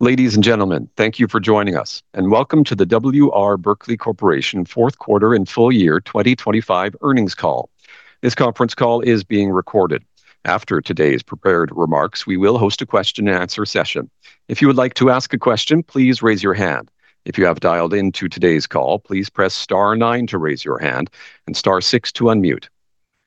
Ladies and gentlemen, thank you for joining us, and welcome to the W. R. Berkley Corporation Q4 and Full Year 2025 Earnings Call. This conference call is being recorded. After today's prepared remarks, we will host a question-and-answer session. If you would like to ask a question, please raise your hand. If you have dialed into today's call, please press star nine to raise your hand and star six to unmute.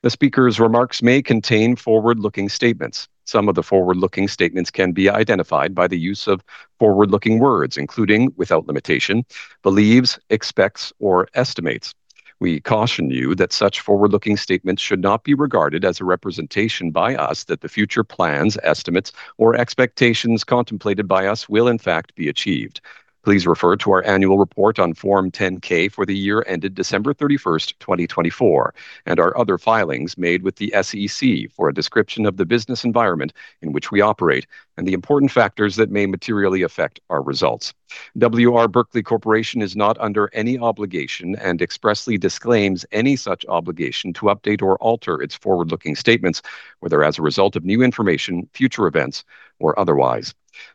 The speaker's remarks may contain forward-looking statements. Some of the forward-looking statements can be identified by the use of forward-looking words, including, without limitation, believes, expects or estimates. We caution you that such forward-looking statements should not be regarded as a representation by us that the future plans, estimates, or expectations contemplated by us will in fact be achieved. Please refer to our annual report on Form 10-K for the year ended 31 December 2024, and our other filings made with the SEC for a description of the business environment in which we operate and the important factors that may materially affect our results. W. R. Berkley Corporation is not under any obligation and expressly disclaims any such obligation to update or alter its forward-looking statements, whether as a result of new information, future events, or otherwise.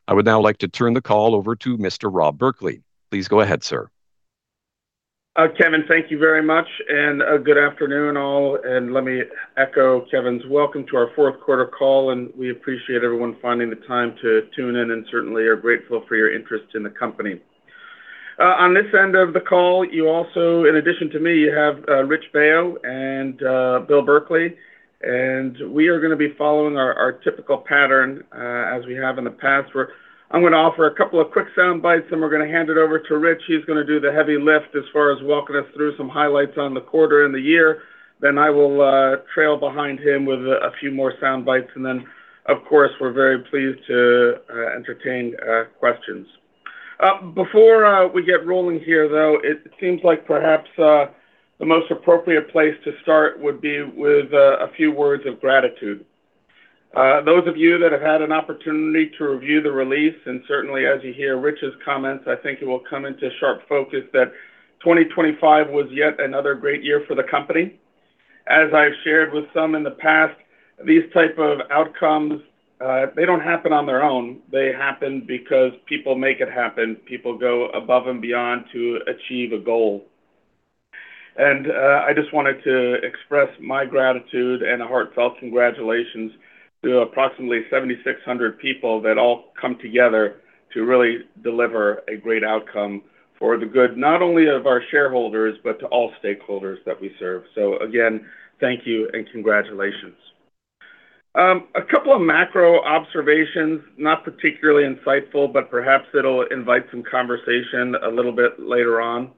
I would now like to turn the call over to Mr. Rob Berkley. Please go ahead, sir. Kevin, thank you very much, and good afternoon, all. Let me echo Kevin's welcome to our Q4 call, and we appreciate everyone finding the time to tune in, and certainly are grateful for your interest in the company. On this end of the call, you also, in addition to me, you have Rich Baio and Bill Berkley, and we are going to be following our typical pattern as we have in the past, where I'm going to offer a couple of quick soundbites, and we're going to hand it over to Rich. He's going to do the heavy lift as far as walking us through some highlights on the quarter and the year. Then I will trail behind him with a few more soundbites, and then, of course, we're very pleased to entertain questions. Before we get rolling here, though, it seems like perhaps the most appropriate place to start would be with a few words of gratitude. Those of you that have had an opportunity to review the release, and certainly as you hear Rich's comments, I think it will come into sharp focus that 2025 was yet another great year for the company. As I've shared with some in the past, these type of outcomes, they don't happen on their own. They happen because people make it happen. People go above and beyond to achieve a goal. And, I just wanted to express my gratitude and a heartfelt congratulations to approximately 7,600 people that all come together to really deliver a great outcome for the good, not only of our shareholders, but to all stakeholders that we serve. So again, thank you and congratulations. A couple of macro observations, not particularly insightful, but perhaps it'll invite some conversation a little bit later on.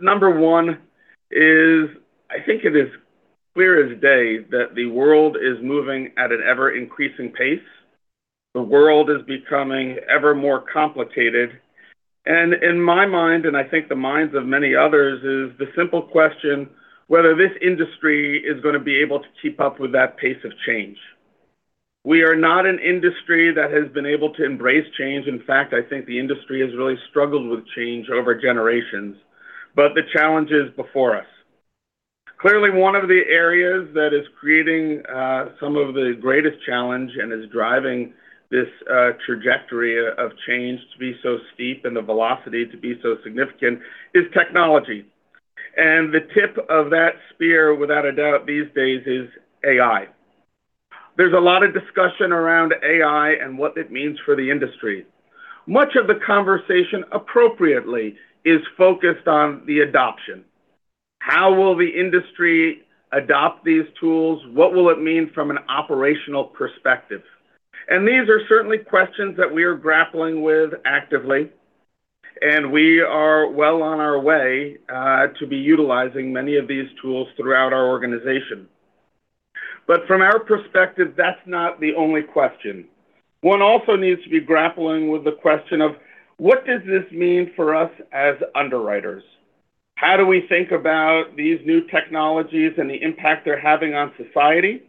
Number one is, I think it is clear as day that the world is moving at an ever-increasing pace. The world is becoming ever more complicated, and in my mind, and I think the minds of many others, is the simple question whether this industry is going to be able to keep up with that pace of change. We are not an industry that has been able to embrace change. In fact, I think the industry has really struggled with change over generations, but the challenge is before us. Clearly, one of the areas that is creating some of the greatest challenge and is driving this trajectory of change to be so steep and the velocity to be so significant is technology. And the tip of that spear, without a doubt, these days, is AI. There's a lot of discussion around AI and what it means for the industry. Much of the conversation, appropriately, is focused on the adoption. How will the industry adopt these tools? What will it mean from an operational perspective? And these are certainly questions that we are grappling with actively, and we are well on our way to be utilizing many of these tools throughout our organization. But from our perspective, that's not the only question. One also needs to be grappling with the question of: What does this mean for us as underwriters? How do we think about these new technologies and the impact they're having on society,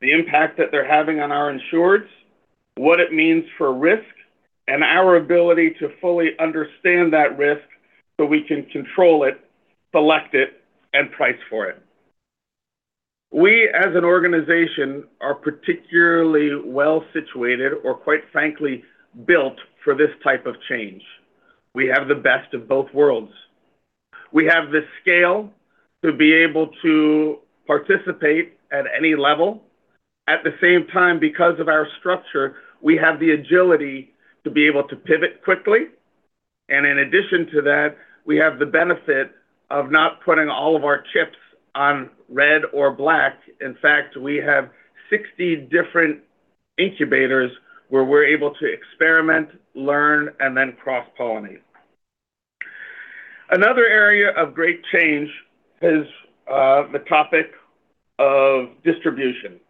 the impact that they're having on our insureds, what it means for risk, and our ability to fully understand that risk so we can control it, select it, and price for it? We, as an organization, are particularly well-situated or quite frankly, built for this type of change. We have the best of both worlds. We have the scale to be able to participate at any level. At the same time, because of our structure, we have the agility to be able to pivot quickly, and in addition to that, we have the benefit of not putting all of our chips on red or black. In fact, we have 60 different incubators where we're able to experiment, learn, and then cross-pollinate. Another area of great change is the topic of distribution.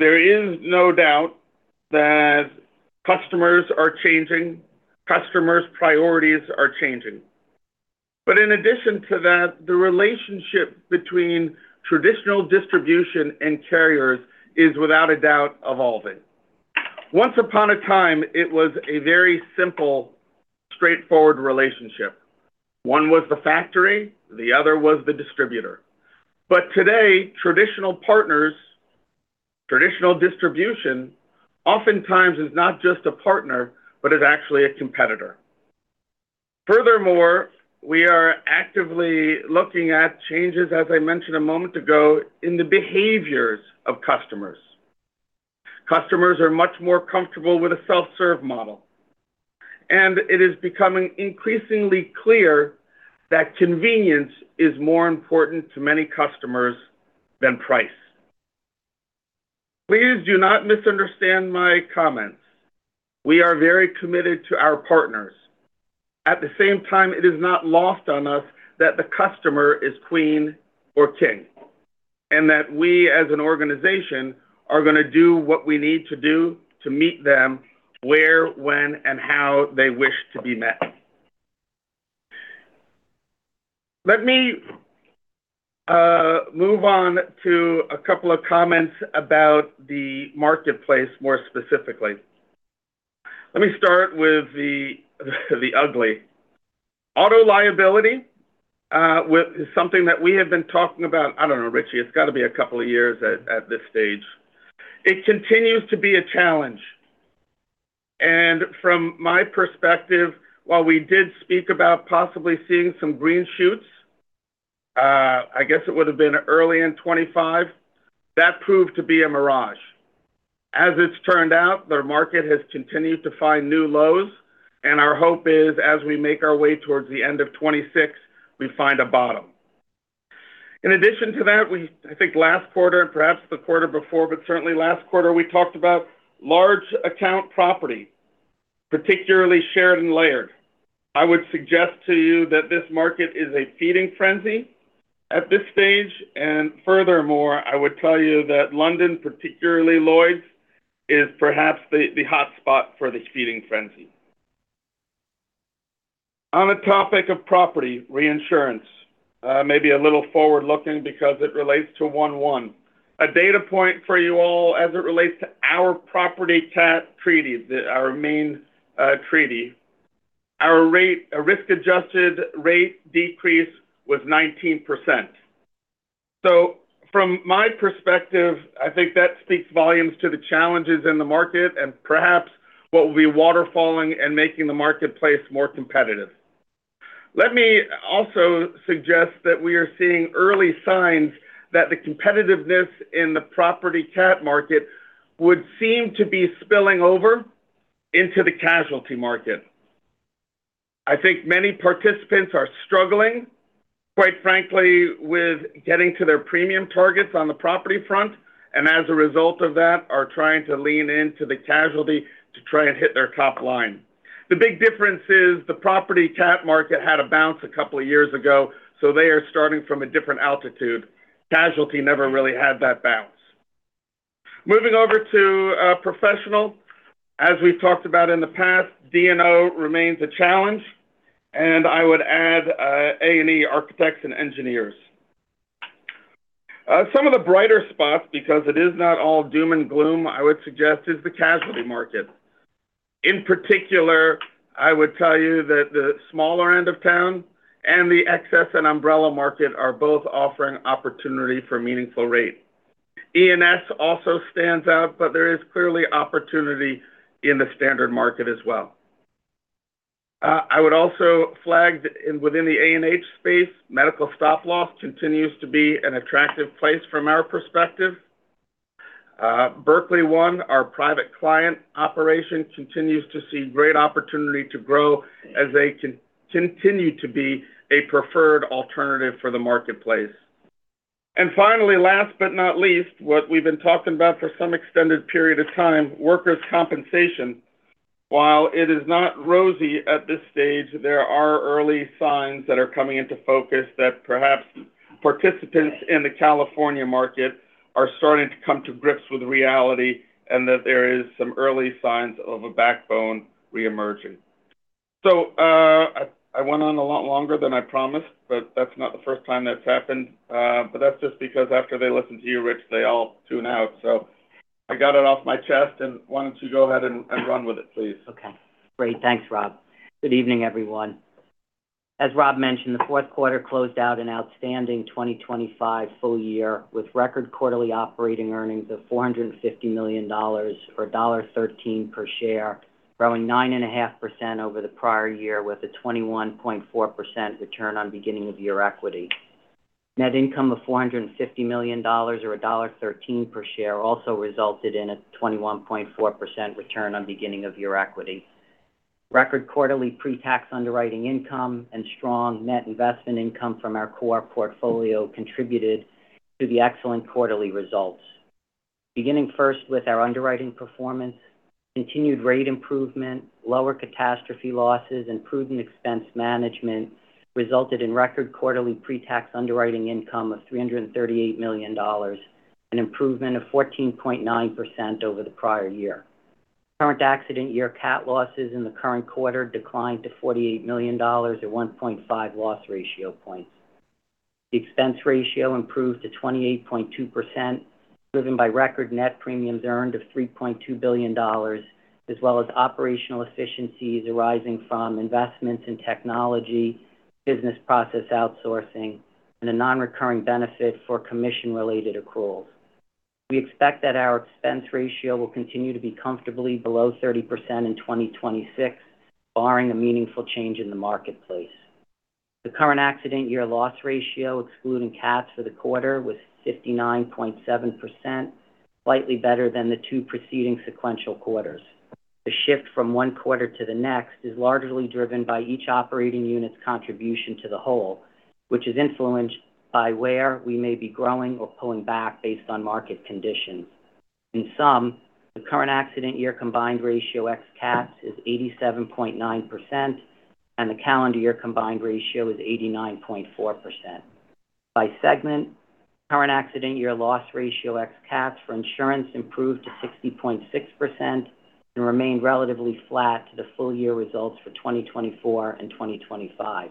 There is no doubt that customers are changing, customers' priorities are changing. But in addition to that, the relationship between traditional distribution and carriers is, without a doubt, evolving. Once upon a time, it was a very simple, straightforward relationship. One was the factory, the other was the distributor. But today, traditional partners, traditional distribution, oftentimes is not just a partner, but is actually a competitor. Furthermore, we are actively looking at changes, as I mentioned a moment ago, in the behaviors of customers. Customers are much more comfortable with a self-serve model, and it is becoming increasingly clear that convenience is more important to many customers than price. Please do not misunderstand my comments. We are very committed to our partners. At the same time, it is not lost on us that the customer is queen or king, and that we, as an organization, are going to do what we need to do to meet them where, when, and how they wish to be met. Let me move on to a couple of comments about the marketplace, more specifically. Let me start with the ugly. Auto Liability is something that we have been talking about... I don't know, Richie, it's got to be a couple of years at this stage. It continues to be a challenge. And from my perspective, while we did speak about possibly seeing some green shoots, I guess it would have been early in 2025, that proved to be a mirage. As it's turned out, the market has continued to find new lows, and our hope is, as we make our way towards the end of 2026, we find a bottom. In addition to that, I think last quarter and perhaps the quarter before, but certainly last quarter, we talked about large account property, particularly shared and layered. I would suggest to you that this market is a feeding frenzy at this stage. And furthermore, I would tell you that London, particularly Lloyd's, is perhaps the hotspot for this feeding frenzy. On the topic of property reinsurance, maybe a little forward-looking because it relates to 1/1. A data point for you all as it relates to our property cat treaty, our main treaty. Our risk-adjusted rate decrease was 19%. So from my perspective, I think that speaks volumes to the challenges in the market and perhaps what will be waterfalling and making the marketplace more competitive. Let me also suggest that we are seeing early signs that the competitiveness in the property cat market would seem to be spilling over into the casualty market. I think many participants are struggling, quite frankly, with getting to their premium targets on the property front, and as a result of that, are trying to lean into the casualty to try and hit their top line. The big difference is the property cat market had a bounce a couple of years ago, so they are starting from a different altitude. Casualty never really had that bounce. Moving over to professional, as we've talked about in the past, D&O remains a challenge, and I would add A&E, architects and engineers. Some of the brighter spots, because it is not all doom and gloom, I would suggest, is the casualty market. In particular, I would tell you that the smaller end of town and the excess and umbrella market are both offering opportunity for meaningful rate. E&S also stands out, but there is clearly opportunity in the standard market as well. I would also flag within the A&H space, Medical Stop-Loss continues to be an attractive place from our perspective. Berkley One, our private client operation, continues to see great opportunity to grow as they continue to be a preferred alternative for the marketplace. And finally, last but not least, what we've been talking about for some extended period of time, Workers' Compensation. While it is not rosy at this stage, there are early signs that are coming into focus that perhaps participants in the California market are starting to come to grips with reality, and that there is some early signs of a backbone reemerging. So, I went on a lot longer than I promised, but that's not the first time that's happened. But that's just because after they listen to you, Rich, they all tune out. So I got it off my chest and why don't you go ahead and run with it, please. Okay, great. Thanks, Rob. Good evening, everyone. As Rob mentioned, the Q4 closed out an outstanding 2025 full year, with record quarterly operating earnings of $450 million, or $1.13 per share, growing 9.5% over the prior year, with a 21.4% return on beginning of year equity. Net income of $450 million or $1.13 per share also resulted in a 21.4% return on beginning of year equity. Record quarterly pre-tax underwriting income and strong net investment income from our core portfolio contributed to the excellent quarterly results. Beginning first with our underwriting performance, continued rate improvement, lower catastrophe losses, and prudent expense management resulted in record quarterly pre-tax underwriting income of $338 million, an improvement of 14.9% over the prior year. Current accident year cat losses in the current quarter declined to $48 million or 1.5 loss ratio points. The expense ratio improved to 28.2%, driven by record net premiums earned of $3.2 billion, as well as operational efficiencies arising from investments in technology, business process outsourcing, and a non-recurring benefit for commission-related accruals. We expect that our expense ratio will continue to be comfortably below 30% in 2026, barring a meaningful change in the marketplace. The current accident year loss ratio, excluding cats for the quarter, was 59.7%, slightly better than the 2 preceding sequential quarters. The shift from 1 quarter to the next is largely driven by each operating unit's contribution to the whole, which is influenced by where we may be growing or pulling back based on market conditions. In sum, the current accident year combined ratio ex cats is 87.9%, and the calendar year combined ratio is 89.4%. By segment, current accident year loss ratio ex cats for insurance improved to 60.6% and remained relatively flat to the full year results for 2024 and 2025.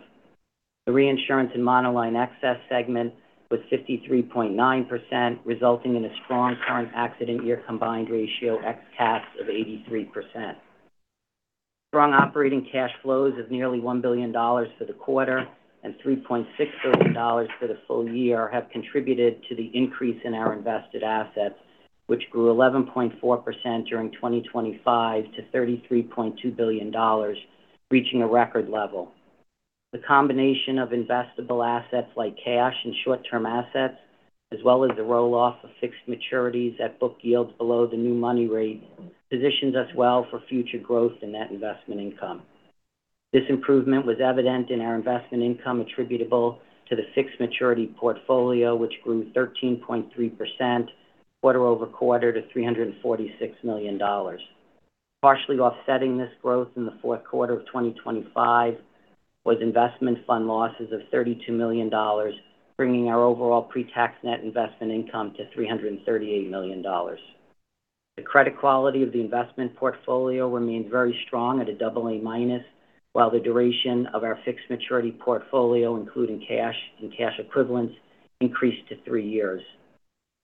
The reinsurance and monoline excess segment was 53.9%, resulting in a strong current accident year combined ratio ex cats of 83%. Strong operating cash flows of nearly $1 billion for the quarter and $3.6 billion for the full year have contributed to the increase in our invested assets, which grew 11.4% during 2025 to $33.2 billion, reaching a record level. The combination of investable assets like cash and short-term assets, as well as the roll-off of fixed maturities at book yields below the new money rate, positions us well for future growth in net investment income. This improvement was evident in our investment income attributable to the fixed maturity portfolio, which grew 13.3% quarter-over-quarter to $346 million. Partially offsetting this growth in the Q4 of 2025 was investment fund losses of $32 million, bringing our overall pre-tax net investment income to $338 million. The credit quality of the investment portfolio remains very strong at AA-, while the duration of our fixed maturity portfolio, including cash and cash equivalents, increased to 3 years.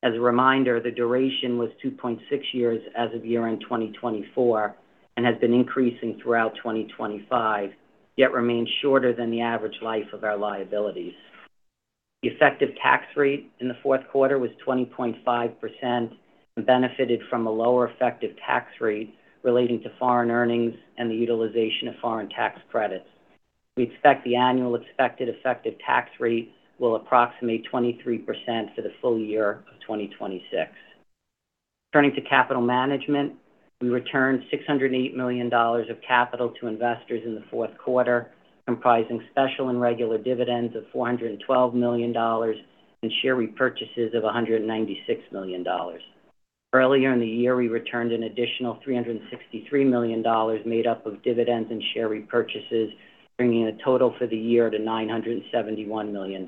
As a reminder, the duration was 2.6 years as of year-end 2024 and has been increasing throughout 2025, yet remains shorter than the average life of our liabilities. The effective tax rate in the Q4 was 20.5% and benefited from a lower effective tax rate relating to foreign earnings and the utilization of foreign tax credits. We expect the annual expected effective tax rate will approximate 23% for the full year of 2026. Turning to capital management, we returned $608 million of capital to investors in the Q4, comprising special and regular dividends of $412 million and share repurchases of $196 million. Earlier in the year, we returned an additional $363 million, made up of dividends and share repurchases, bringing the total for the year to $971 million.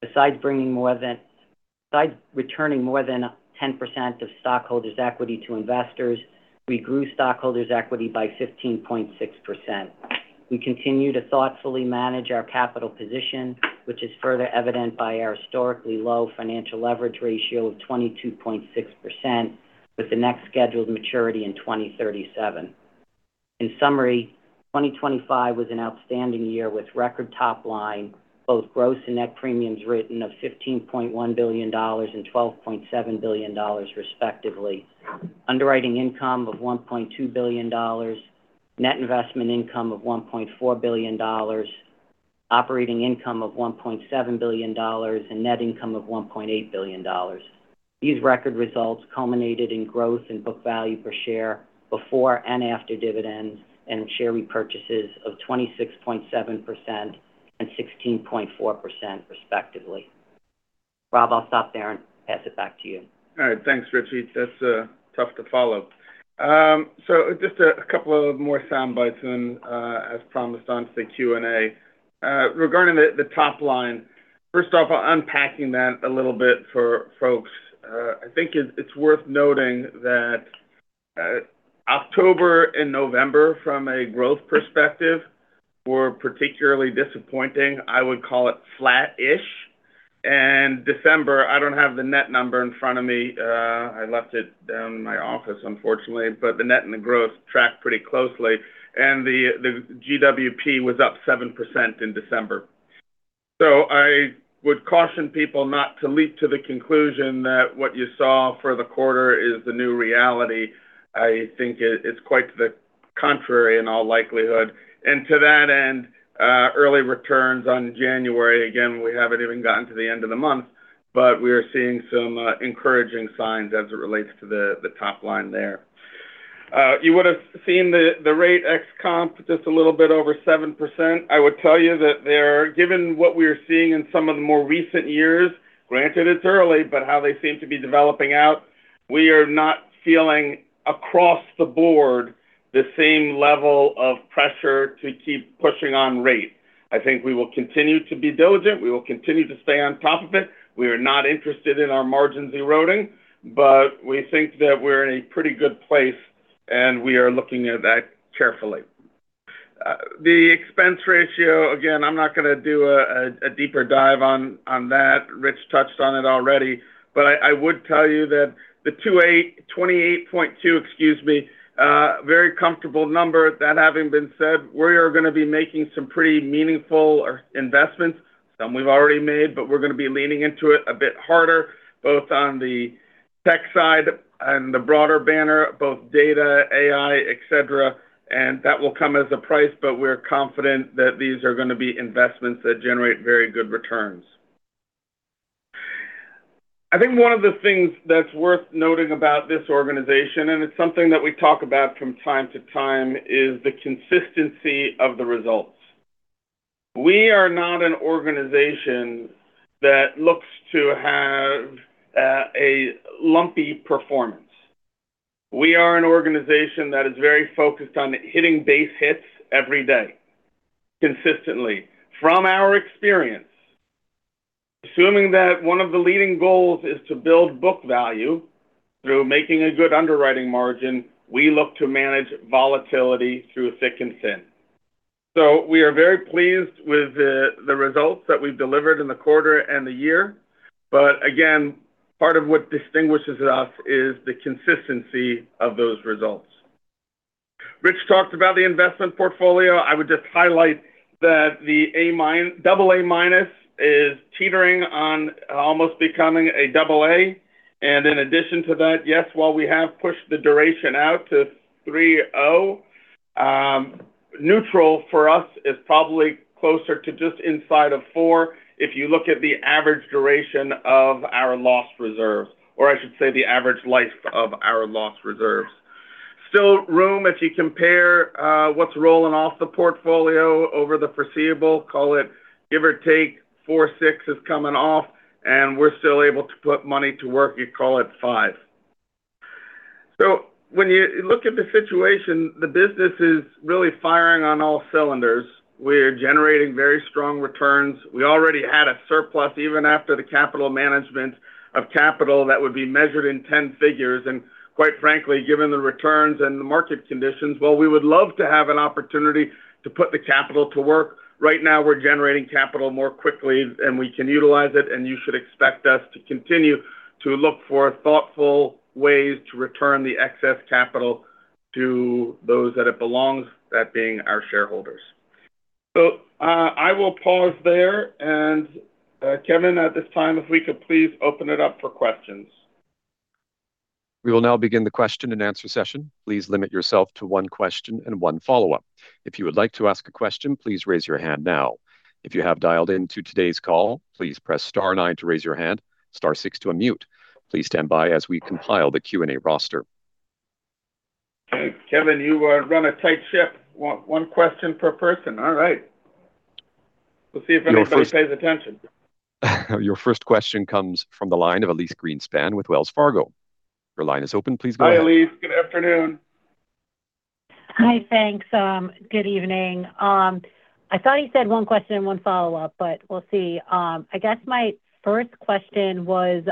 Besides returning more than 10% of stockholders' equity to investors, we grew stockholders' equity by 15.6%. We continue to thoughtfully manage our capital position, which is further evident by our historically low financial leverage ratio of 22.6%, with the next scheduled maturity in 2037. In summary, 2025 was an outstanding year with record top line, both gross and net premiums written of $15.1 billion and $12.7 billion, respectively, underwriting income of $1.2 billion, net investment income of $1.4 billion, operating income of $1.7 billion, and net income of $1.8 billion. These record results culminated in growth in book value per share before and after dividends and share repurchases of 26.7% and 16.4%, respectively. Rob, I'll stop there and pass it back to you. All right, thanks, Richie. That's tough to follow. So just a couple of more soundbites and, as promised, on to the Q&A. Regarding the top line, first off, unpacking that a little bit for folks, I think it's worth noting that October and November, from a growth perspective, were particularly disappointing. I would call it flat-ish. And December, I don't have the net number in front of me, I left it down in my office, unfortunately. But the net and the growth tracked pretty closely, and the GWP was up 7% in December. So I would caution people not to leap to the conclusion that what you saw for the quarter is the new reality. I think it is quite the contrary, in all likelihood. To that end, early returns on January, again, we haven't even gotten to the end of the month, but we are seeing some encouraging signs as it relates to the top line there. You would have seen the rate ex comp just a little bit over 7%. I would tell you that they're, given what we are seeing in some of the more recent years, granted it's early, but how they seem to be developing out, we are not feeling across the board the same level of pressure to keep pushing on rate. I think we will continue to be diligent. We will continue to stay on top of it. We are not interested in our margins eroding, but we think that we're in a pretty good place, and we are looking at that carefully. The expense ratio, again, I'm not going to do a deeper dive on that. Rich touched on it already, but I would tell you that the 28.2, excuse me, very comfortable number. That having been said, we are going to be making some pretty meaningful investments. Some we've already made, but we're going to be leaning into it a bit harder, both on the tech side and the broader banner, both data, AI, et cetera, and that will come as a price, but we're confident that these are going to be investments that generate very good returns. I think one of the things that's worth noting about this organization, and it's something that we talk about from time to time, is the consistency of the results. We are not an organization that looks to have a lumpy performance. We are an organization that is very focused on hitting base hits every day, consistently. From our experience, assuming that one of the leading goals is to build book value through making a good underwriting margin, we look to manage volatility through thick and thin. So we are very pleased with the results that we've delivered in the quarter and the year. But again, part of what distinguishes us is the consistency of those results. Rich talked about the investment portfolio. I would just highlight that the AA- is teetering on almost becoming a AA. In addition to that, yes, while we have pushed the duration out to 3.0, neutral for us is probably closer to just inside of 4 if you look at the average duration of our loss reserve, or I should say, the average life of our loss reserves. Still room, if you compare what's rolling off the portfolio over the foreseeable, call it, give or take 4-6 is coming off, and we're still able to put money to work, you call it 5. So when you look at the situation, the business is really firing on all cylinders. We're generating very strong returns. We already had a surplus, even after the capital management of capital, that would be measured in 10 figures. Quite frankly, given the returns and the market conditions, while we would love to have an opportunity to put the capital to work, right now, we're generating capital more quickly, and we can utilize it, and you should expect us to continue to look for thoughtful ways to return the excess capital to those that it belongs, that being our shareholders. I will pause there, and, Kevin, at this time, if we could please open it up for questions. We will now begin the question-and-answer session. Please limit yourself to one question and one follow-up. If you would like to ask a question, please raise your hand now. If you have dialed in to today's call, please press star nine to raise your hand, star six to unmute. Please stand by as we compile the Q&A roster. Kevin, you run a tight ship. One question per person. All right. We'll see if anybody pays attention. Your first question comes from the line of Elyse Greenspan with Wells Fargo. Your line is open. Please go ahead. Hi, Elyse. Good afternoon. Hi, thanks. Good evening. I thought he said one question and one follow-up, but we'll see. I guess my first question was,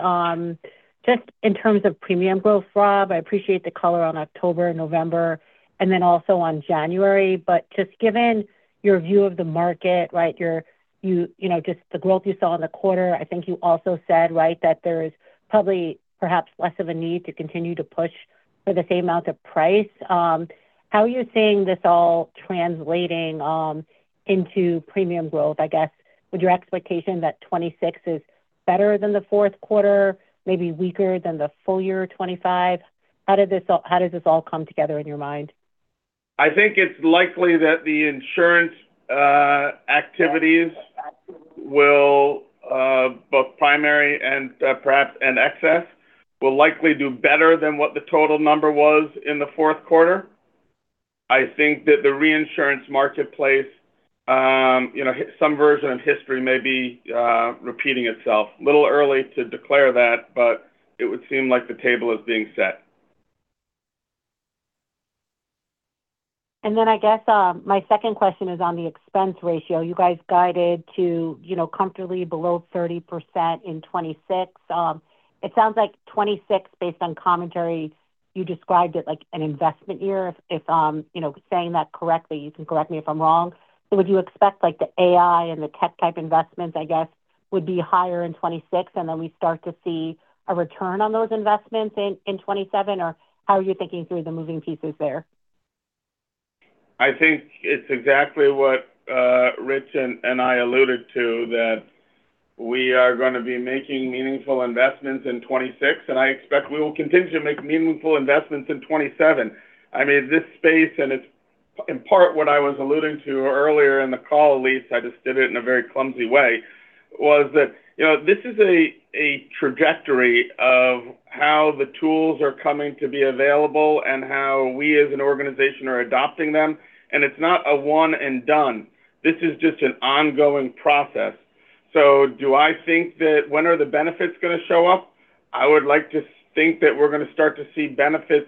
just in terms of premium growth, Rob, I appreciate the color on October, November, and then also on January. But just given your view of the market, right? You know, just the growth you saw in the quarter, I think you also said, right, that there is probably perhaps less of a need to continue to push for the same amount of price. How are you seeing this all translating into premium growth, I guess? Would your expectation that 2026 is better than the Q4, maybe weaker than the full year, 2025? How does this all come together in your mind? I think it's likely that the insurance activities will, both primary and perhaps and excess, will likely do better than what the total number was in the Q4. I think that the reinsurance marketplace, you know, some version of history may be repeating itself. A little early to declare that, but it would seem like the table is being set. And then I guess, my second question is on the expense ratio. You guys guided to, you know, comfortably below 30% in 2026. It sounds like 2026, based on commentary, you described it like an investment year. If, you know, saying that correctly, you can correct me if I'm wrong. So would you expect, like, the AI and the tech type investments, I guess, would be higher in 2026, and then we start to see a return on those investments in 2027, or how are you thinking through the moving pieces there? I think it's exactly what Rich and I alluded to, that we are going to be making meaningful investments in 2026, and I expect we will continue to make meaningful investments in 2027. I mean, this space, and it's in part what I was alluding to earlier in the call, Elise, I just did it in a very clumsy way, was that, you know, this is a trajectory of how the tools are coming to be available and how we as an organization are adopting them, and it's not a one and done. This is just an ongoing process. So do I think that when are the benefits going to show up? I would like to think that we're going to start to see benefits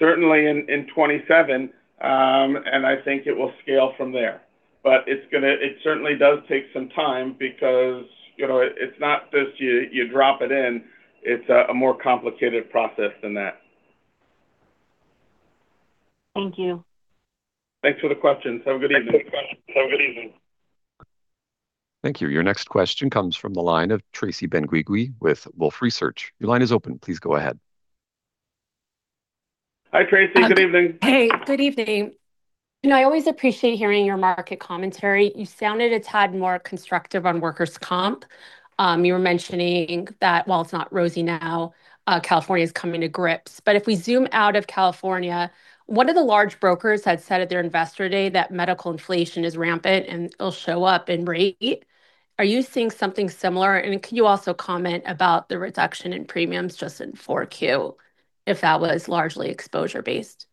certainly in 2027, and I think it will scale from there. but it's going to—it certainly does take some time because, you know, it, it's not just you, you drop it in, it's a, a more complicated process than that. Thank you. Thanks for the question. Have a good evening. Thanks for the question. Have a good evening. Thank you. Your next question comes from the line of Tracy Benguigui with Wolfe Research. Your line is open. Please go ahead. Hi, Tracy. Good evening. Hey, good evening. You know, I always appreciate hearing your market commentary. You sounded a tad more constructive on workers' comp. You were mentioning that while it's not rosy now, California's coming to grips. But if we zoom out of California, one of the large brokers had said at their investor day that medical inflation is rampant, and it'll show up in rate. Are you seeing something similar? And can you also comment about the reduction in premiums just in 4Q, if that was largely exposure-based?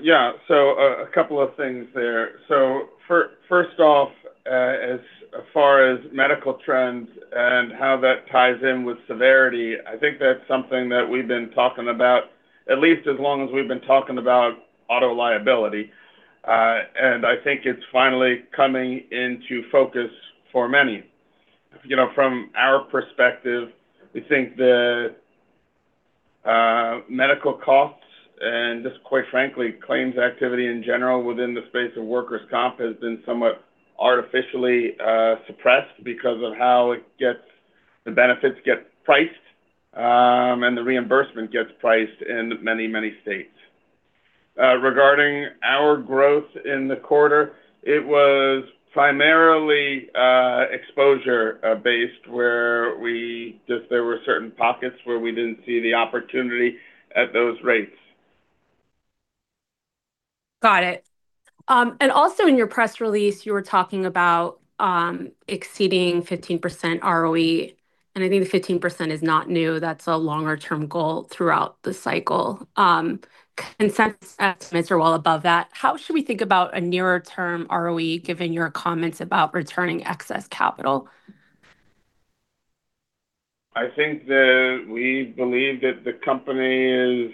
Yeah, so, a couple of things there. First off, as far as medical trends and how that ties in with severity, I think that's something that we've been talking about at least as long as we've been talking about auto liability. I think it's finally coming into focus for many. You know, from our perspective, we think the medical costs and just, quite frankly, claims activity in general within the space of workers' comp has been somewhat artificially suppressed because of how it gets the benefits get priced, and the reimbursement gets priced in many, many states. Regarding our growth in the quarter, it was primarily exposure based, where we just there were certain pockets where we didn't see the opportunity at those rates. Got it. Also in your press release, you were talking about exceeding 15% ROE, and I think the 15% is not new. That's a longer-term goal throughout the cycle. Consensus estimates are well above that. How should we think about a nearer-term ROE, given your comments about returning excess capital? I think that we believe that the company is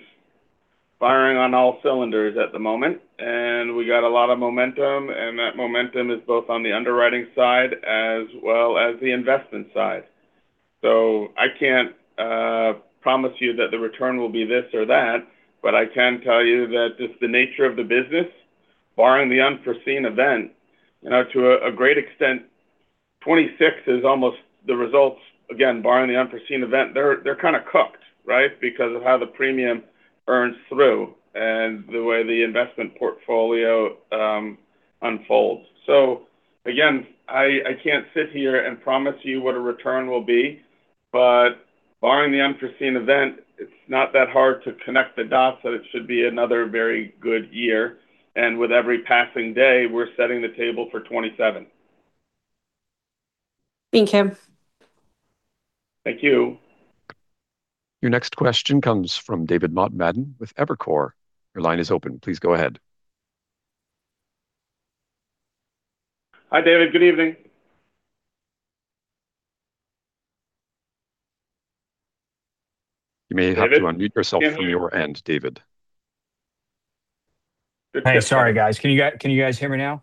firing on all cylinders at the moment, and we got a lot of momentum, and that momentum is both on the underwriting side as well as the investment side. So I can't promise you that the return will be this or that, but I can tell you that just the nature of the business, barring the unforeseen event, you know, to a great extent, 26 is almost the results. Again, barring the unforeseen event, they're kind of cooked, right? Because of how the premium earns through and the way the investment portfolio unfolds. So again, I can't sit here and promise you what a return will be, but barring the unforeseen event, it's not that hard to connect the dots that it should be another very good year, and with every passing day, we're setting the table for 2027. Thank you. Thank you. Your next question comes from David Motemaden with Evercore. Your line is open. Please go ahead. Hi, David. Good evening. You may have to- David? Unmute yourself from your end, David. Hey, sorry, guys. Can you guys hear me now?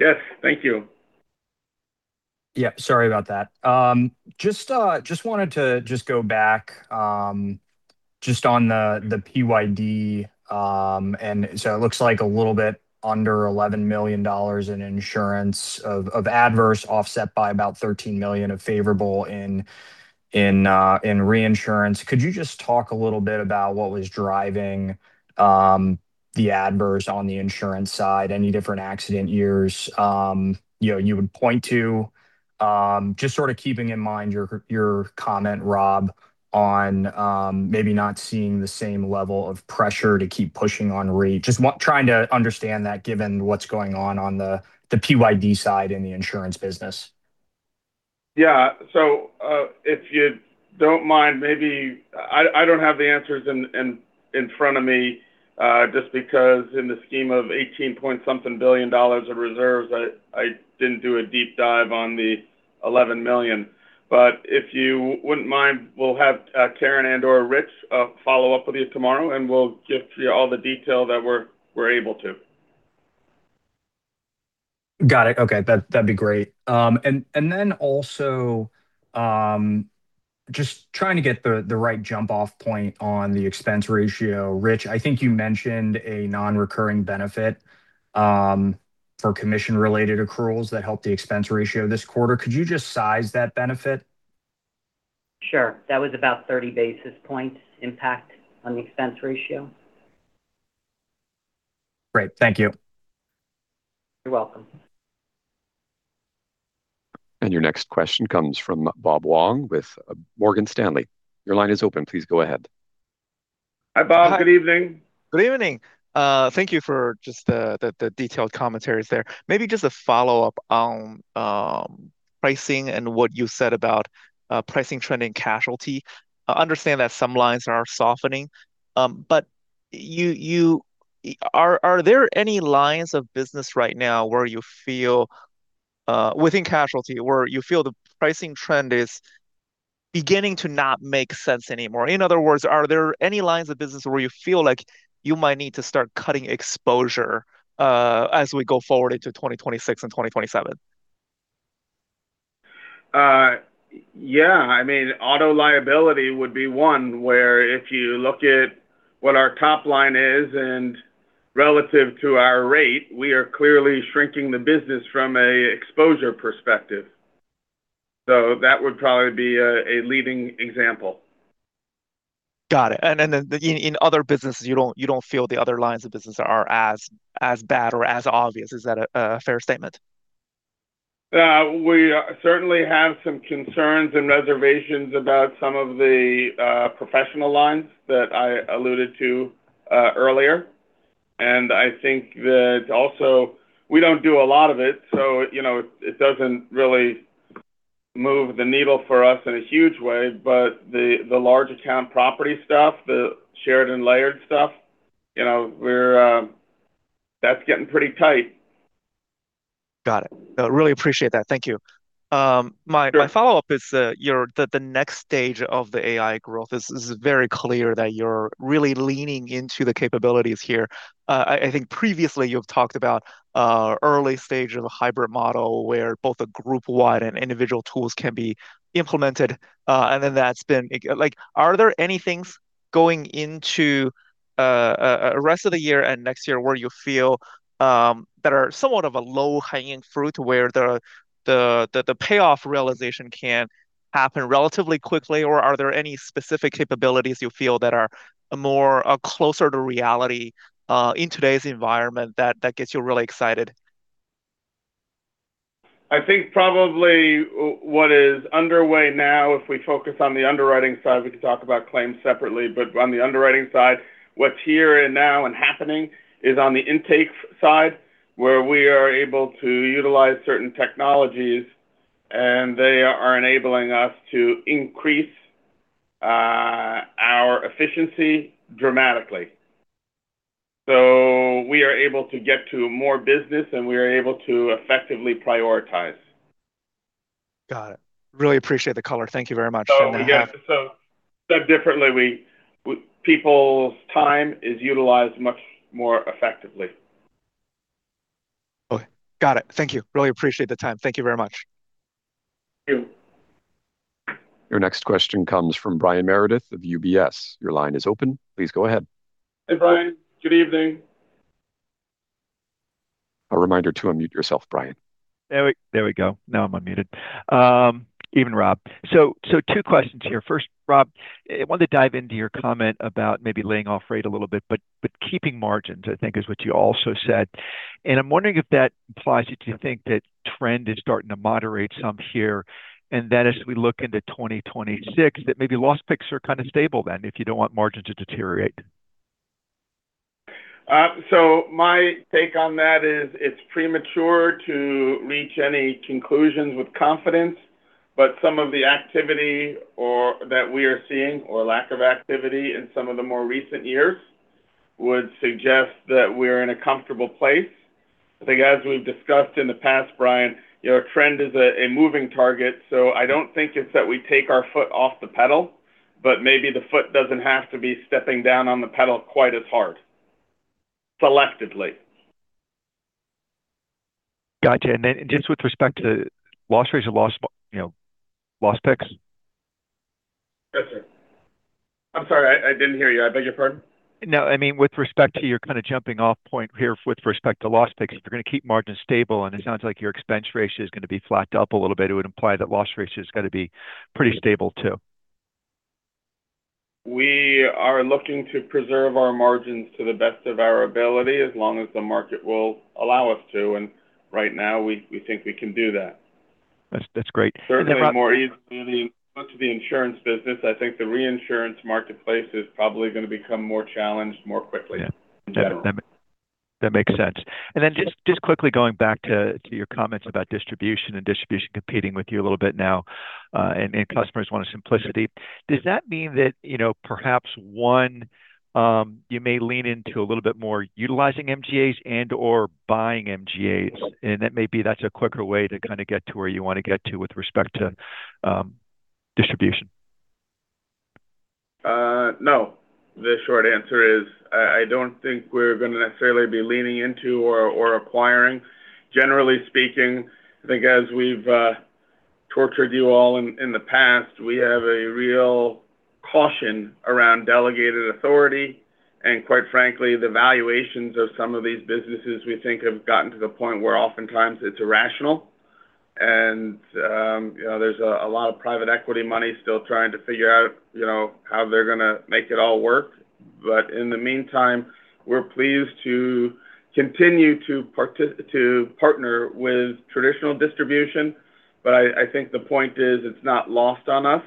Yes, thank you. Yeah, sorry about that. Just wanted to just go back just on the PYD, and so it looks like a little bit under $11 million in insurance of adverse, offset by about $13 million of favorable in reinsurance. Could you just talk a little bit about what was driving the adverse on the insurance side? Any different accident years you know you would point to? Just sort of keeping in mind your comment, Rob, on maybe not seeing the same level of pressure to keep pushing on rate. Just want-- trying to understand that, given what's going on on the PYD side in the insurance business. Yeah. So, if you don't mind, maybe... I don't have the answers in front of me, just because in the scheme of $18-point-something billion of reserves, I didn't do a deep dive on the $11 million. But if you wouldn't mind, we'll have Karen and or Rich follow up with you tomorrow, and we'll get you all the detail that we're able to. Got it. Okay, that'd be great. And then also, just trying to get the right jump-off point on the expense ratio. Rich, I think you mentioned a non-recurring benefit for commission-related accruals that helped the expense ratio this quarter. Could you just size that benefit? Sure. That was about 30 basis points impact on the expense ratio. Great. Thank you. You're welcome. Your next question comes from Bob Huang with Morgan Stanley. Your line is open. Please go ahead. Hi, Bob. Good evening. Good evening. Thank you for just the detailed commentaries there. Maybe just a follow-up on pricing and what you said about pricing trend and casualty. I understand that some lines are softening, but you... Are there any lines of business right now where you feel within casualty, where you feel the pricing trend is beginning to not make sense anymore? In other words, are there any lines of business where you feel like you might need to start cutting exposure as we go forward into 2026 and 2027? Yeah, I mean, Auto Liability would be one where if you look at what our top line is, and relative to our rate, we are clearly shrinking the business from an exposure perspective. So that would probably be a leading example. Got it. And then in other businesses, you don't feel the other lines of business are as bad or as obvious. Is that a fair statement? We certainly have some concerns and reservations about some of the professional lines that I alluded to earlier. And I think that also we don't do a lot of it, so, you know, it doesn't really move the needle for us in a huge way. But the large account property stuff, the shared and layered stuff, you know, we're... That's getting pretty tight. Got it. I really appreciate that. Thank you. My- Sure. My follow-up is, your, the next stage of the AI growth. This is very clear that you're really leaning into the capabilities here. I think previously you've talked about, early stage of the hybrid model, where both a group-wide and individual tools can be implemented, and then that's been. Like, are there any things going into, rest of the year and next year where you feel, that are somewhat of a low-hanging fruit, where the, the, the payoff realization can happen relatively quickly? Or are there any specific capabilities you feel that are more, closer to reality, in today's environment, that, that gets you really excited? I think probably what is underway now, if we focus on the underwriting side, we can talk about claims separately, but on the underwriting side, what's here and now and happening is on the intake side, where we are able to utilize certain technologies, and they are enabling us to increase our efficiency dramatically. So we are able to get to more business, and we are able to effectively prioritize. Got it. Really appreciate the color. Thank you very much. Oh, yeah, so differently, people's time is utilized much more effectively. Okay. Got it. Thank you. Really appreciate the time. Thank you very much. Thank you. Your next question comes from Brian Meredith of UBS. Your line is open. Please go ahead. Hey, Brian. Good evening. A reminder to unmute yourself, Brian. There we go. Now I'm unmuted. Evening, Rob. So two questions here. First, Rob, I wanted to dive into your comment about maybe laying off rate a little bit, but keeping margins, I think is what you also said, and I'm wondering if that implies you to think that trend is starting to moderate some here, and then as we look into 2026, that maybe loss picks are kind of stable then, if you don't want margins to deteriorate. So my take on that is it's premature to reach any conclusions with confidence, but some of the activity or that we are seeing, or lack of activity in some of the more recent years, would suggest that we're in a comfortable place. I think as we've discussed in the past, Brian, you know, a trend is a moving target, so I don't think it's that we take our foot off the pedal, but maybe the foot doesn't have to be stepping down on the pedal quite as hard, selectively. Gotcha. And then just with respect to loss rates or loss, you know, loss picks? Yes, sir. I'm sorry, I didn't hear you. I beg your pardon? No, I mean, with respect to your kind of jumping off point here with respect to loss picks, if you're going to keep margins stable, and it sounds like your expense ratio is going to be flatted up a little bit, it would imply that loss ratio is going to be pretty stable too. We are looking to preserve our margins to the best of our ability, as long as the market will allow us to, and right now, we think we can do that. That's, that's great. Certainly more easily to the insurance business. I think the reinsurance marketplace is probably going to become more challenged more quickly- Yeah -in general. That makes sense. And then just quickly going back to your comments about distribution competing with you a little bit now, and customers want simplicity. Does that mean that, you know, perhaps you may lean into a little bit more utilizing MGAs and/or buying MGAs, and that maybe that's a quicker way to kind of get to where you want to get to with respect to distribution? No. The short answer is, I don't think we're going to necessarily be leaning into or acquiring. Generally speaking, I think as we've tortured you all in the past, we have a real caution around delegated authority, and quite frankly, the valuations of some of these businesses we think have gotten to the point where oftentimes it's irrational. And you know, there's a lot of private equity money still trying to figure out, you know, how they're going to make it all work. But in the meantime, we're pleased to continue to partner with traditional distribution. But I think the point is, it's not lost on us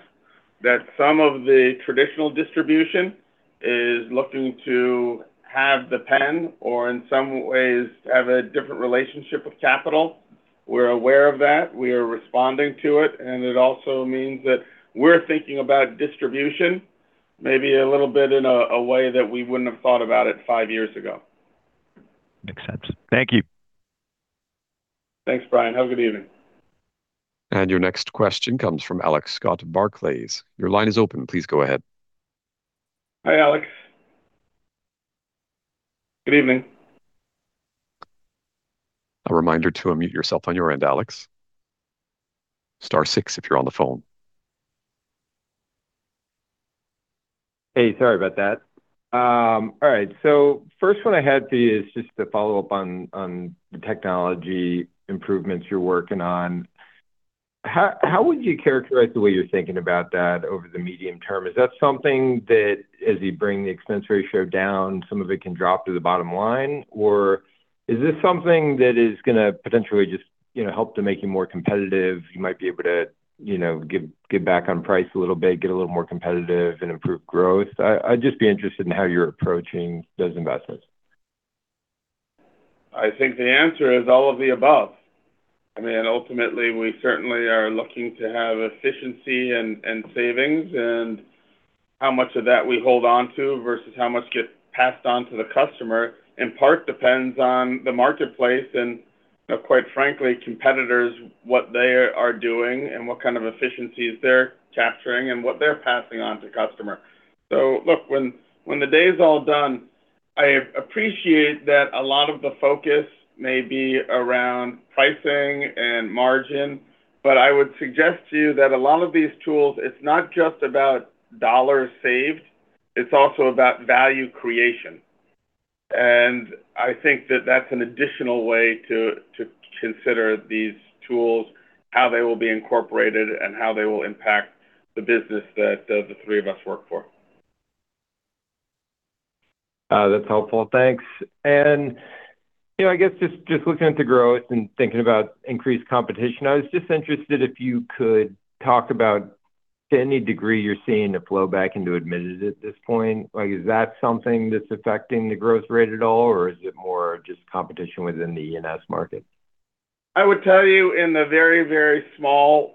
that some of the traditional distribution is looking to have the pen or in some ways, have a different relationship with capital. We're aware of that. We are responding to it, and it also means that we're thinking about distribution maybe a little bit in a way that we wouldn't have thought about it five years ago. Makes sense. Thank you.... Thanks, Brian. Have a good evening. Your next question comes from Alex Scott of Barclays. Your line is open. Please go ahead. Hi, Alex. Good evening. A reminder to unmute yourself on your end, Alex. Star six if you're on the phone. Hey, sorry about that. All right, so first one I had for you is just to follow up on the technology improvements you're working on. How would you characterize the way you're thinking about that over the medium term? Is that something that as you bring the expense ratio down, some of it can drop to the bottom line? Or is this something that is going to potentially just, you know, help to make you more competitive? You might be able to, you know, give back on price a little bit, get a little more competitive and improve growth. I'd just be interested in how you're approaching those investments. I think the answer is all of the above. I mean, ultimately, we certainly are looking to have efficiency and savings, and how much of that we hold on to versus how much gets passed on to the customer, in part, depends on the marketplace and, quite frankly, competitors, what they are doing and what kind of efficiencies they're capturing and what they're passing on to customer. So look, when the day is all done, I appreciate that a lot of the focus may be around pricing and margin, but I would suggest to you that a lot of these tools, it's not just about dollars saved, it's also about value creation. I think that that's an additional way to consider these tools, how they will be incorporated, and how they will impact the business that the three of us work for. That's helpful. Thanks. And, you know, I guess just, just looking at the growth and thinking about increased competition, I was just interested if you could talk about, to any degree, you're seeing a flow back into admitted at this point. Like, is that something that's affecting the growth rate at all, or is it more just competition within the E&S market? I would tell you, in the very, very small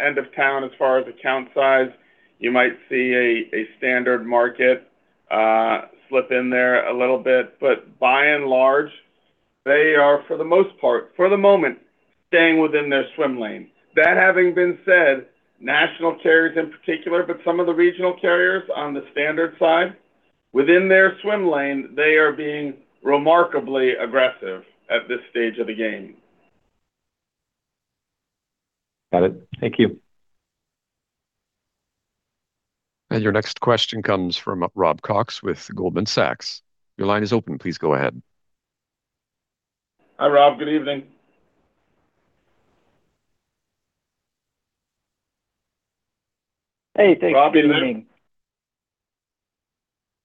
end of town, as far as account size, you might see a standard market slip in there a little bit, but by and large, they are, for the most part, for the moment, staying within their swim lane. That having been said, national carriers in particular, but some of the regional carriers on the standard side, within their swim lane, they are being remarkably aggressive at this stage of the game. Got it. Thank you. Your next question comes from Rob Cox with Goldman Sachs. Your line is open. Please go ahead. Hi, Rob. Good evening. Hey, thanks for the evening. Rob, good evening.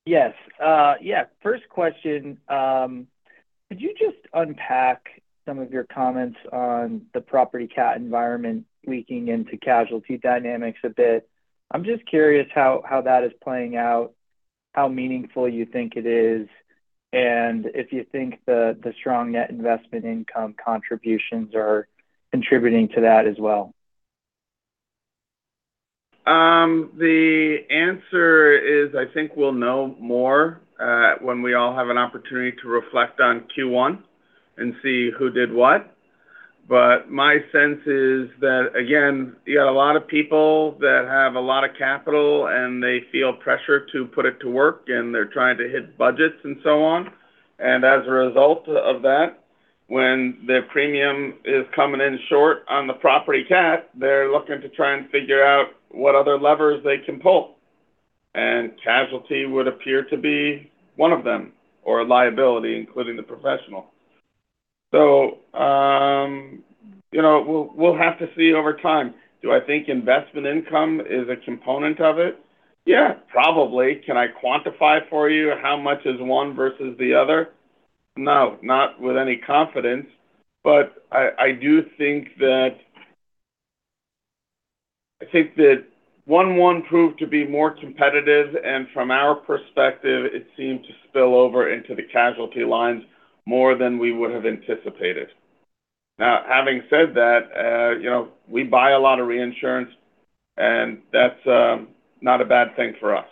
Yes. Yeah, first question. Could you just unpack some of your comments on the property cat environment leaking into casualty dynamics a bit? I'm just curious how, how that is playing out, how meaningful you think it is, and if you think the, the strong net investment income contributions are contributing to that as well. The answer is, I think we'll know more when we all have an opportunity to reflect on Q1 and see who did what. But my sense is that, again, you got a lot of people that have a lot of capital, and they feel pressure to put it to work, and they're trying to hit budgets and so on. And as a result of that, when the premium is coming in short on the property cat, they're looking to try and figure out what other levers they can pull. And casualty would appear to be one of them, or a liability, including the professional. So, you know, we'll, we'll have to see over time. Do I think investment income is a component of it? Yeah, probably. Can I quantify for you how much is one versus the other? No, not with any confidence, but I, I do think that... I think that one, one proved to be more competitive, and from our perspective, it seemed to spill over into the casualty lines more than we would have anticipated. Now, having said that, you know, we buy a lot of reinsurance, and that's not a bad thing for us.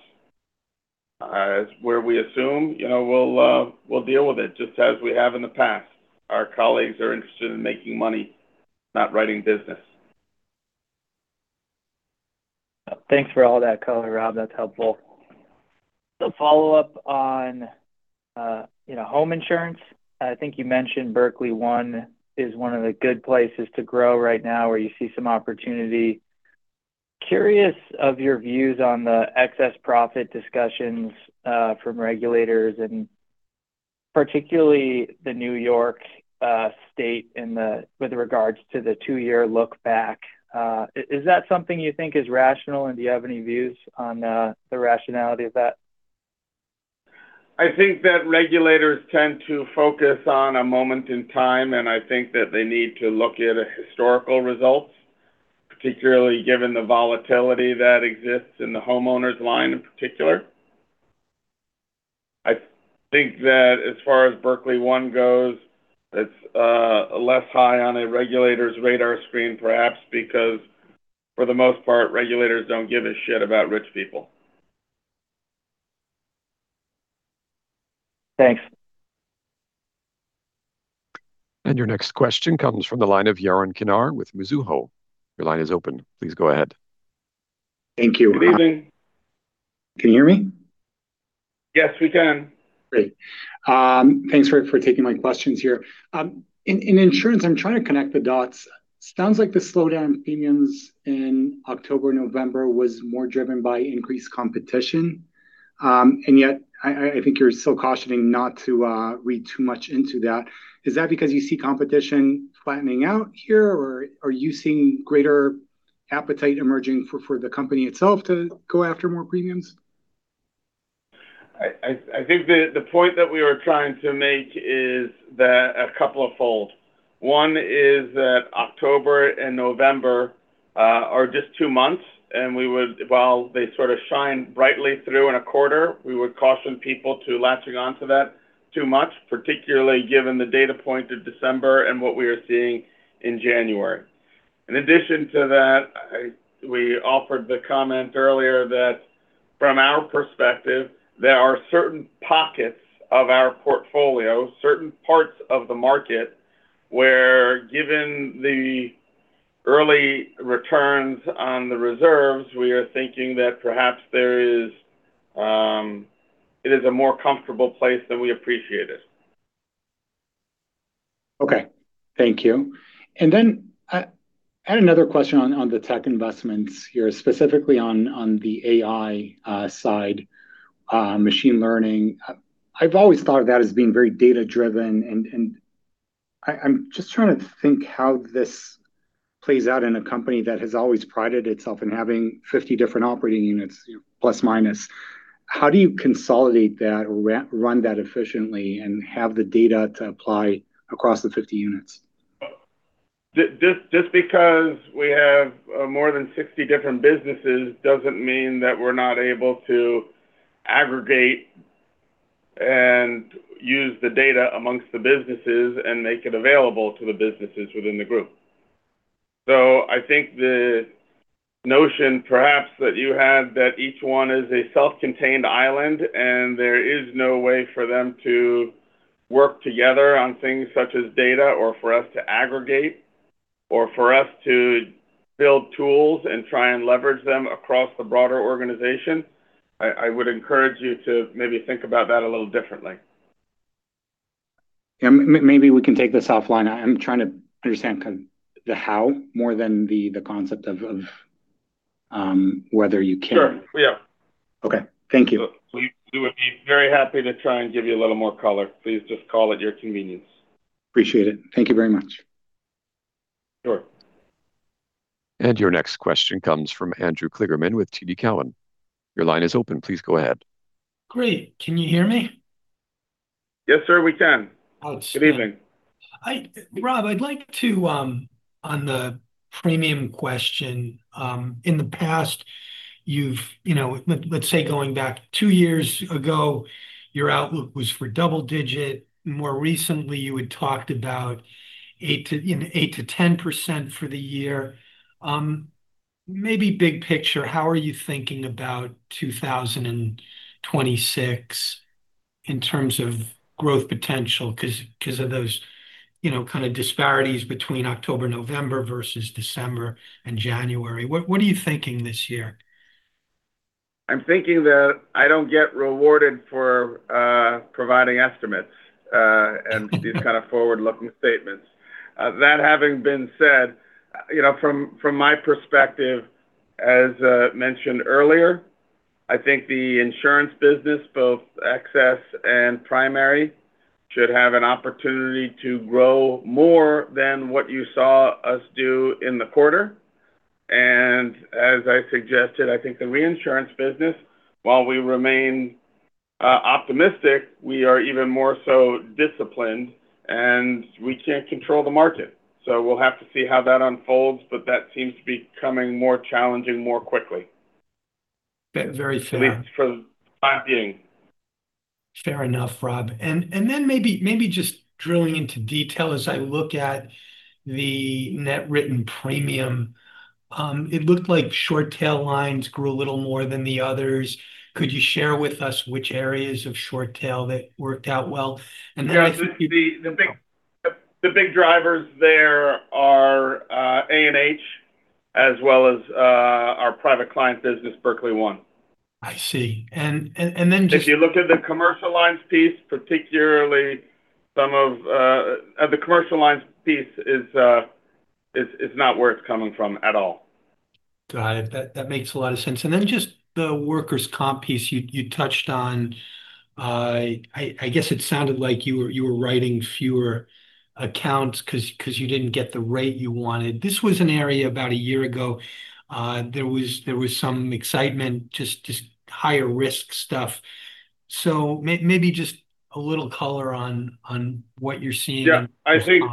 Where we assume, you know, we'll, we'll deal with it just as we have in the past. Our colleagues are interested in making money, not writing business. Thanks for all that color, Rob. That's helpful. So follow up on, you know, home insurance. I think you mentioned Berkley One is one of the good places to grow right now, where you see some opportunity. Curious of your views on the excess profit discussions from regulators and particularly the New York state with regards to the two-year look back. Is that something you think is rational, and do you have any views on the rationality of that? I think that regulators tend to focus on a moment in time, and I think that they need to look at historical results, particularly given the volatility that exists in the homeowners line in particular. I think that as far as Berkley One goes, it's less high on a regulator's radar screen, perhaps because, for the most part, regulators don't give a shit about rich people.... Thanks. Your next question comes from the line of Yaron Kinar with Mizuho. Your line is open. Please go ahead. Thank you. Good evening. Can you hear me? Yes, we can. Great. Thanks for, for taking my questions here. In, in insurance, I'm trying to connect the dots. Sounds like the slowdown in premiums in October, November was more driven by increased competition. And yet, I, I think you're still cautioning not to, read too much into that. Is that because you see competition flattening out here, or are you seeing greater appetite emerging for, for the company itself to go after more premiums? I think the point that we were trying to make is that a couple of fold. One is that October and November are just two months, and we would... While they sort of shine brightly through in a quarter, we would caution people to latching onto that too much, particularly given the data point of December and what we are seeing in January. In addition to that, we offered the comment earlier that from our perspective, there are certain pockets of our portfolio, certain parts of the market, where, given the early returns on the reserves, we are thinking that perhaps there is, it is a more comfortable place than we appreciated. Okay. Thank you. And then I had another question on the tech investments here, specifically on the AI side, machine learning. I've always thought of that as being very data-driven, and I, I'm just trying to think how this plays out in a company that has always prided itself in having 50 different operating units, plus, minus. How do you consolidate that or run that efficiently and have the data to apply across the 50 units? Just, just because we have more than 60 different businesses doesn't mean that we're not able to aggregate and use the data among the businesses and make it available to the businesses within the group. So I think the notion, perhaps, that you had, that each one is a self-contained island, and there is no way for them to work together on things such as data, or for us to aggregate, or for us to build tools and try and leverage them across the broader organization, I would encourage you to maybe think about that a little differently. Yeah, maybe we can take this offline. I'm trying to understand kind of the how more than the concept of whether you can. Sure. Yeah. Okay. Thank you. We would be very happy to try and give you a little more color. Please just call at your convenience. Appreciate it. Thank you very much. Sure. Your next question comes from Andrew Kligerman with T.DCowen. Your line is open. Please go ahead. Great. Can you hear me? Yes, sir, we can. Oh, sure. Good evening. Rob, I'd like to, on the premium question, in the past, you've, you know, let's say going back two years ago, your outlook was for double-digit. More recently, you had talked about 8% to 10% for the year. Maybe big picture, how are you thinking about 2026 in terms of growth potential? Cause of those, you know, kind of disparities between October, November versus December and January. What are you thinking this year? I'm thinking that I don't get rewarded for providing estimates and these kind of forward-looking statements. That having been said, you know, from, from my perspective, as mentioned earlier, I think the insurance business, both excess and primary, should have an opportunity to grow more than what you saw us do in the quarter. And as I suggested, I think the reinsurance business, while we remain optimistic, we are even more so disciplined, and we can't control the market. So we'll have to see how that unfolds, but that seems to be becoming more challenging more quickly. Very fair. At least from my view. Fair enough, Rob. And then maybe just drilling into detail, as I look at the net written premium, it looked like short tail lines grew a little more than the others. Could you share with us which areas of short tail that worked out well? And then- Yeah, the big drivers there are A&H, as well as our private client business, Berkley One. I see. And then just- If you look at the commercial lines piece. The commercial lines piece is not where it's coming from at all. Got it. That makes a lot of sense. And then just the workers' comp piece you touched on, I guess it sounded like you were writing fewer accounts cause you didn't get the rate you wanted. This was an area about a year ago, there was some excitement, just higher risk stuff. So maybe just a little color on what you're seeing. Yeah, I think-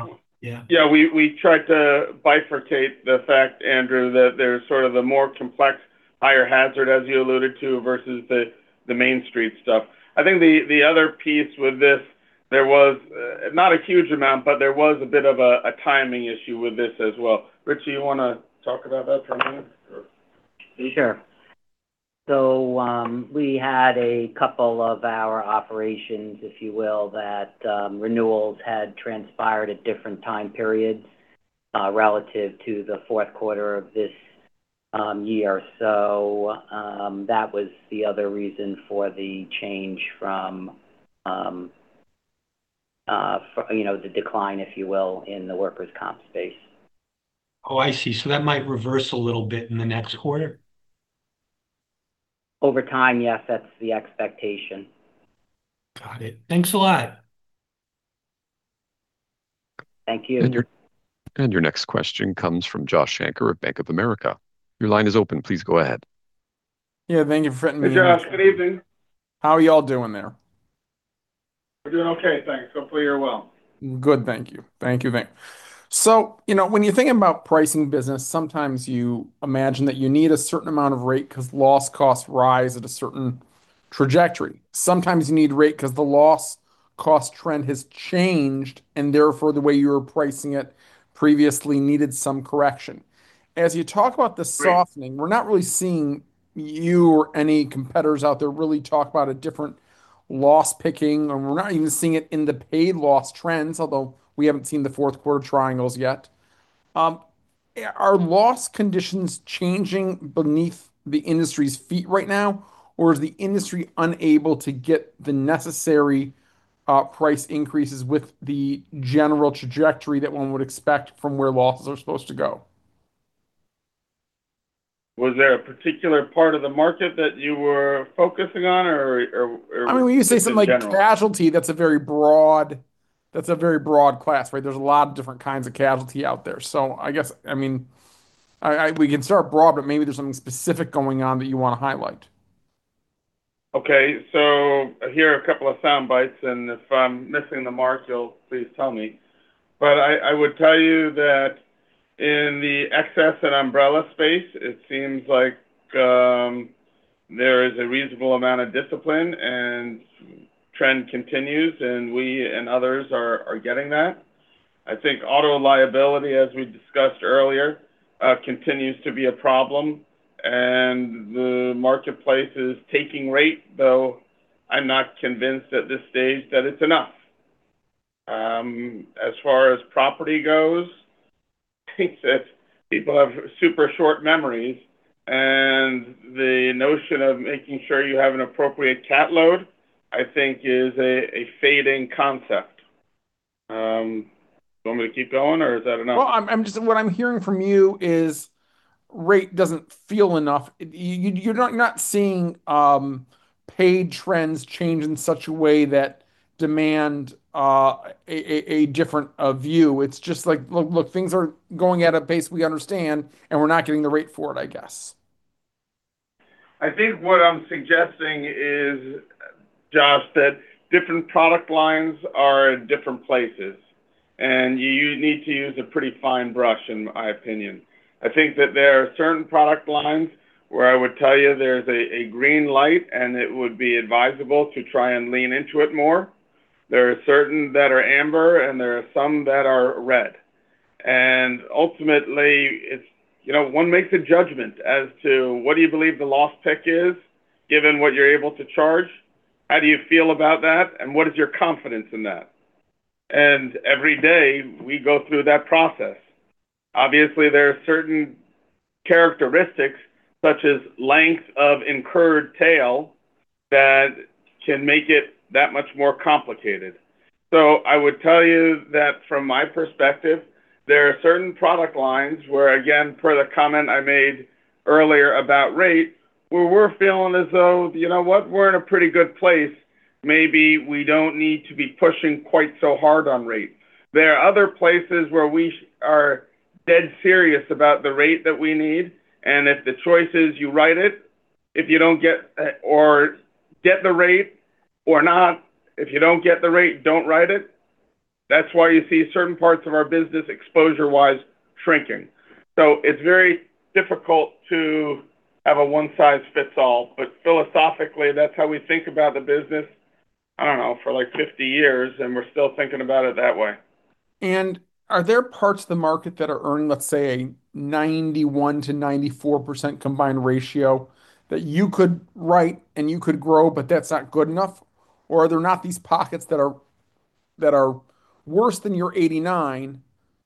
Yeah. Yeah, we tried to bifurcate the fact, Andrew, that there's sort of the more complex, higher hazard, as you alluded to, versus the Main Street stuff. I think the other piece with this, there was not a huge amount, but there was a bit of a timing issue with this as well. Richie, you want to talk about that for a minute?... Sure. So, we had a couple of our operations, if you will, that renewals had transpired at different time periods, relative to the Q4 of this year. So, that was the other reason for the change from, you know, the decline, if you will, in the workers' comp space. Oh, I see. So that might reverse a little bit in the next quarter? Over time, yes, that's the expectation. Got it. Thanks a lot! Thank you. And your next question comes from Josh Shanker at Bank of America. Your line is open. Please go ahead. Yeah, thank you for letting me in. Hey, Josh. Good evening. How are y'all doing there? We're doing okay, thanks. Hopefully, you're well. Good, thank you. Thank you. So, you know, when you're thinking about pricing business, sometimes you imagine that you need a certain amount of rate because loss costs rise at a certain trajectory. Sometimes you need rate because the loss cost trend has changed, and therefore, the way you were pricing it previously needed some correction. As you talk about the softening- Right... we're not really seeing you or any competitors out there really talk about a different loss pick, and we're not even seeing it in the paid loss trends, although we haven't seen the Q4 triangles yet. Are loss conditions changing beneath the industry's feet right now, or is the industry unable to get the necessary price increases with the general trajectory that one would expect from where losses are supposed to go? Was there a particular part of the market that you were focusing on or just in general? I mean, when you say something like casualty, that's a very broad, that's a very broad class, right? There's a lot of different kinds of casualty out there. So I guess, I mean, we can start broad, but maybe there's something specific going on that you want to highlight. Okay, so here are a couple of sound bites, and if I'm missing the mark, you'll please tell me. But I, I would tell you that in the excess and umbrella space, it seems like, there is a reasonable amount of discipline and trend continues, and we and others are, are getting that. I think auto liability, as we discussed earlier, continues to be a problem, and the marketplace is taking rate, though I'm not convinced at this stage that it's enough. As far as property goes, people have super short memories, and the notion of making sure you have an appropriate cat load, I think is a, a fading concept. You want me to keep going or is that enough? Well, I'm just— What I'm hearing from you is rate doesn't feel enough. You're not seeing paid trends change in such a way that demand a different view. It's just like, look, things are going at a pace we understand, and we're not getting the rate for it, I guess. I think what I'm suggesting is, Josh, that different product lines are in different places, and you need to use a pretty fine brush, in my opinion. I think that there are certain product lines where I would tell you there's a green light, and it would be advisable to try and lean into it more. There are certain that are amber, and there are some that are red. And ultimately, it's, you know, one makes a judgment as to what do you believe the loss pick is, given what you're able to charge? How do you feel about that, and what is your confidence in that? And every day, we go through that process. Obviously, there are certain characteristics, such as length of incurred tail, that can make it that much more complicated. So I would tell you that from my perspective, there are certain product lines where, again, per the comment I made earlier about rate, where we're feeling as though, you know what? We're in a pretty good place. Maybe we don't need to be pushing quite so hard on rate. There are other places where we are dead serious about the rate that we need, and if the choice is you write it, if you don't get, or get the rate or not, if you don't get the rate, don't write it. That's why you see certain parts of our business, exposure-wise, shrinking. So it's very difficult to have a one-size-fits-all, but philosophically, that's how we think about the business, I don't know, for like 50 years, and we're still thinking about it that way. Are there parts of the market that are earning, let's say, a 91% to 94% combined ratio that you could write and you could grow, but that's not good enough? Or are there not these pockets that are worse than your 89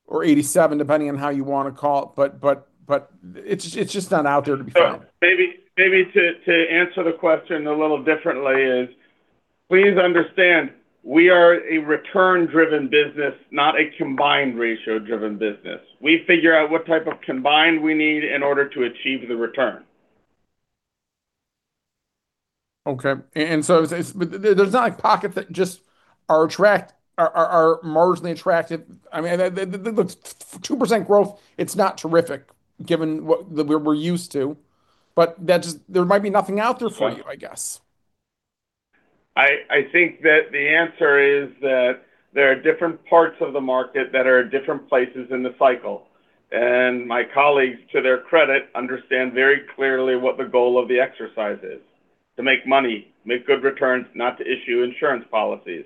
or 87, depending on how you want to call it, but it's just not out there to be found. Maybe to answer the question a little differently, please understand, we are a return-driven business, not a combined-ratio-driven business. We figure out what type of combined we need in order to achieve the return. Okay, and so there's not, like, pockets that just are marginally attractive. I mean, the 2% growth, it's not terrific given what we're used to, but that just—there might be nothing out there for you, I guess. I, I think that the answer is that there are different parts of the market that are at different places in the cycle, and my colleagues, to their credit, understand very clearly what the goal of the exercise is: to make money, make good returns, not to issue insurance policies….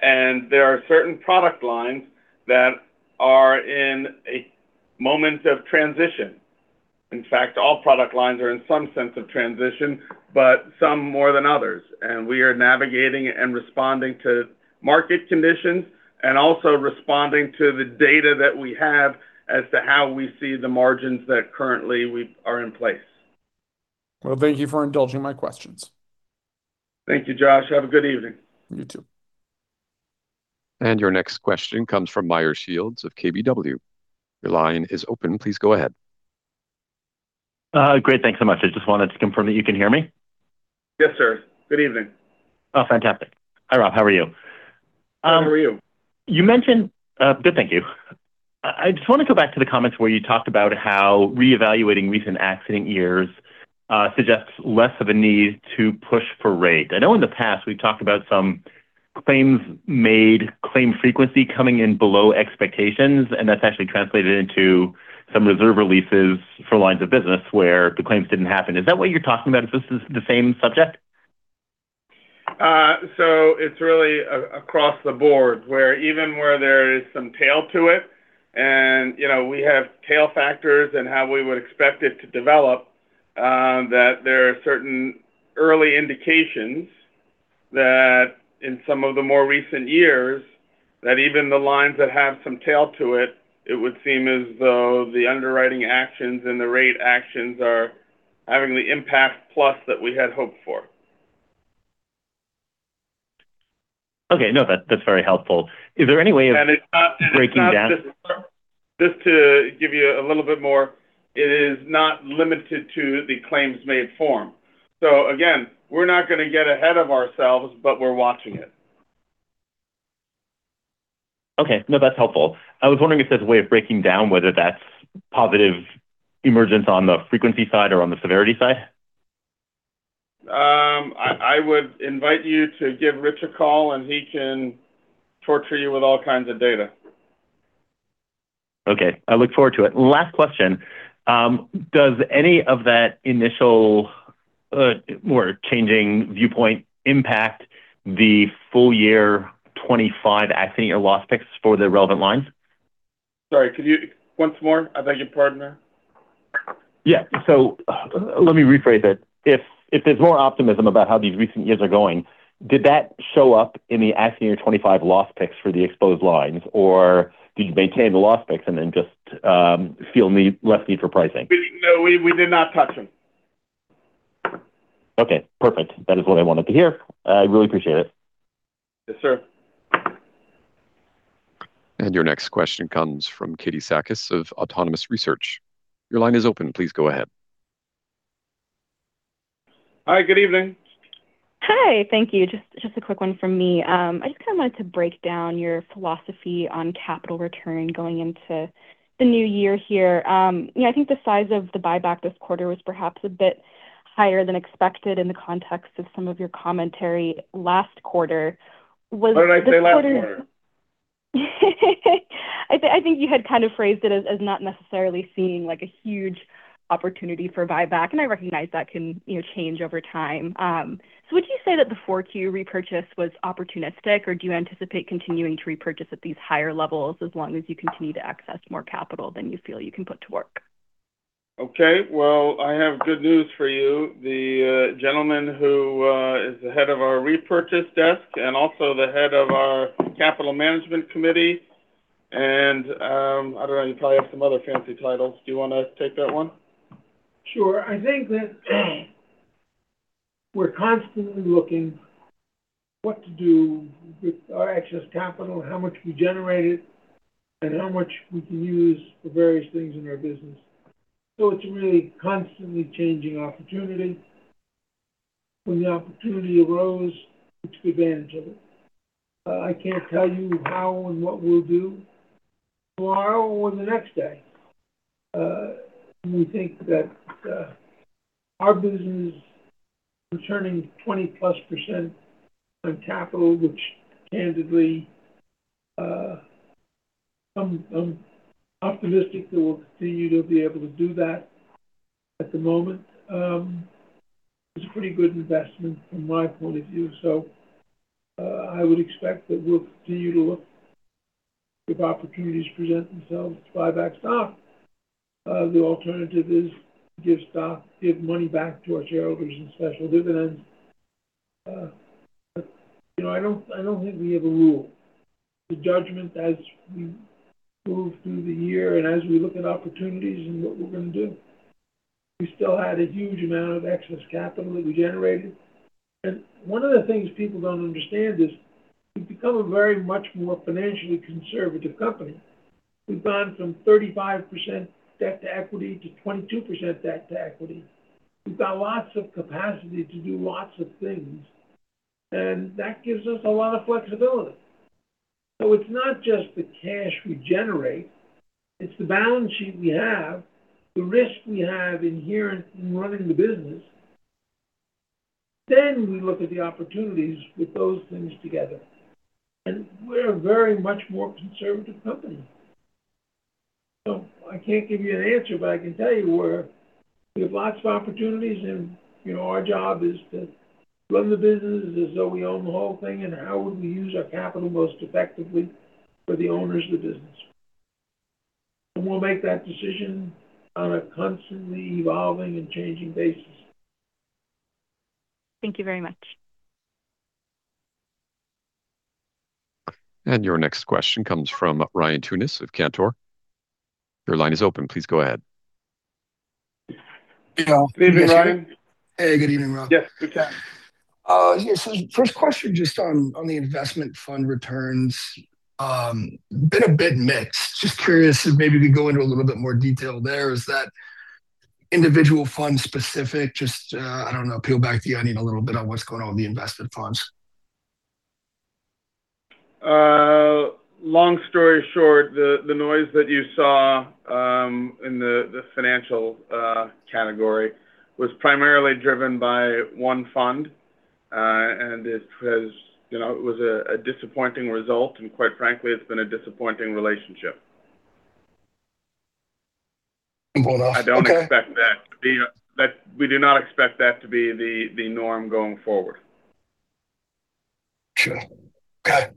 There are certain product lines that are in a moment of transition. In fact, all product lines are in some sense of transition, but some more than others. We are navigating and responding to market conditions and also responding to the data that we have as to how we see the margins that currently we are in place. Well, thank you for indulging my questions. Thank you, Josh. Have a good evening. You too. Your next question comes from Meyer Shields of KBW. Your line is open. Please go ahead. Great. Thanks so much. I just wanted to confirm that you can hear me. Yes, sir. Good evening. Oh, fantastic. Hi, Rob. How are you? How are you? You mentioned, Good, thank you. I just want to go back to the comments where you talked about how reevaluating recent accident years suggests less of a need to push for rate. I know in the past, we've talked about some claims made, claim frequency coming in below expectations, and that's actually translated into some reserve releases for lines of business where the claims didn't happen. Is that what you're talking about? Is this the same subject? So it's really across the board, where even where there is some tail to it, and, you know, we have tail factors and how we would expect it to develop, that there are certain early indications that in some of the more recent years, that even the lines that have some tail to it, it would seem as though the underwriting actions and the rate actions are having the impact plus that we had hoped for. Okay, no, that, that's very helpful. Is there any way of- It's not- Breaking down? Just to give you a little bit more, it is not limited to the claims-made form. So again, we're not going to get ahead of ourselves, but we're watching it. Okay. No, that's helpful. I was wondering if there's a way of breaking down whether that's positive emergence on the frequency side or on the severity side? I would invite you to give Rich a call, and he can torture you with all kinds of data. Okay, I look forward to it. Last question. Does any of that initial or changing viewpoint impact the full year 25 accident or loss picks for the relevant lines? Sorry, could you once more? I beg your pardon there. Yeah. So let me rephrase it. If there's more optimism about how these recent years are going, did that show up in the accident year 25 loss picks for the exposed lines, or did you maintain the loss picks and then just feel less need for pricing? No, we did not touch them. Okay, perfect. That is what I wanted to hear. I really appreciate it. Yes, sir. And your next question comes from Katie Sakys of Autonomous Research. Your line is open. Please go ahead. Hi, good evening. Hi, thank you. Just a quick one from me. I just kind of wanted to break down your philosophy on capital return going into the new year here. You know, I think the size of the buyback this quarter was perhaps a bit higher than expected in the context of some of your commentary last quarter. Was- What did I say last quarter? I think you had kind of phrased it as not necessarily seeing like a huge opportunity for buyback, and I recognize that can, you know, change over time. So would you say that the 4Q repurchase was opportunistic, or do you anticipate continuing to repurchase at these higher levels as long as you continue to access more capital than you feel you can put to work? Okay, well, I have good news for you. The gentleman who is the head of our repurchase desk and also the head of our capital management committee, and I don't know, you probably have some other fancy titles. Do you want to take that one? Sure. I think that, we're constantly looking what to do with our excess capital, how much we generate it, and how much we can use for various things in our business. So it's really constantly changing opportunity. When the opportunity arose, we took advantage of it. I can't tell you how and what we'll do tomorrow or the next day. We think that, our business is returning 20%+ on capital, which candidly, I'm optimistic that we'll continue to be able to do that at the moment. It's a pretty good investment from my point of view, so, I would expect that we'll continue to look if opportunities present themselves to buy back stock. The alternative is give stock, give money back to our shareholders in special dividends. But you know, I don't think we have a rule. The judgment as we move through the year and as we look at opportunities and what we're going to do, we still had a huge amount of excess capital that we generated. One of the things people don't understand is we've become a very much more financially conservative company. We've gone from 35% debt to equity to 22% debt to equity. We've got lots of capacity to do lots of things, and that gives us a lot of flexibility. It's not just the cash we generate, it's the balance sheet we have, the risk we have inherent in running the business. We look at the opportunities with those things together, and we're a very much more conservative company.... So I can't give you an answer, but I can tell you where we have lots of opportunities, and, you know, our job is to run the business as though we own the whole thing, and how would we use our capital most effectively for the owners of the business? And we'll make that decision on a constantly evolving and changing basis. Thank you very much. Your next question comes from Ryan Tunis of Cantor. Your line is open. Please go ahead. Yeah. Good evening, Ryan. Hey, good evening, Rob. Yes, good time. Yeah, so first question, just on the investment fund returns, been a bit mixed. Just curious if maybe we go into a little bit more detail there. Is that individual fund specific? Just, I don't know, peel back the onion a little bit on what's going on with the invested funds. Long story short, the noise that you saw in the financial category was primarily driven by one fund, and it has, you know, it was a disappointing result, and quite frankly, it's been a disappointing relationship. Well, okay. We do not expect that to be the norm going forward. Sure. Okay.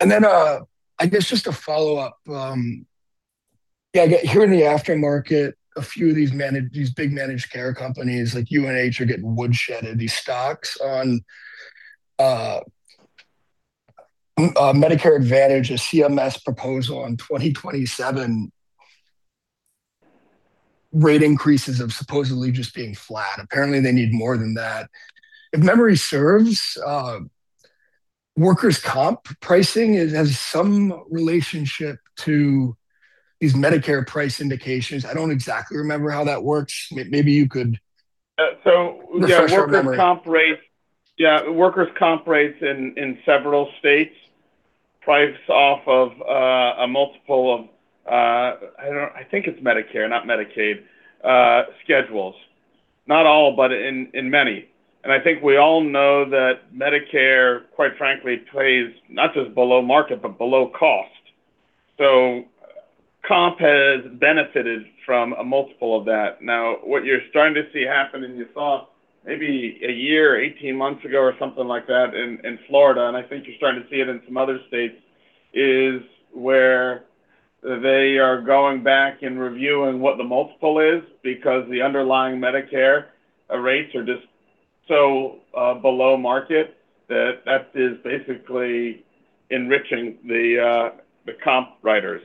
And then, I guess just a follow-up, yeah, I get here in the aftermarket, a few of these managed care companies like UNH are getting woodshedded. These stocks on Medicare Advantage, a CMS proposal on 2027 rate increases of supposedly just being flat. Apparently, they need more than that. If memory serves, workers' comp pricing is, has some relationship to these Medicare price indications. I don't exactly remember how that works. Maybe you could- So yeah- Refresh my memory?... workers' comp rates, yeah, workers' comp rates in several states price off of a multiple of. I think it's Medicare, not Medicaid, schedules. Not all, but in many. And I think we all know that Medicare, quite frankly, plays not just below market, but below cost. So comp has benefited from a multiple of that. Now, what you're starting to see happen, and you saw maybe a year, 18 months ago or something like that in Florida, and I think you're starting to see it in some other states, is where they are going back and reviewing what the multiple is, because the underlying Medicare rates are just so below market, that that is basically enriching the comp writers,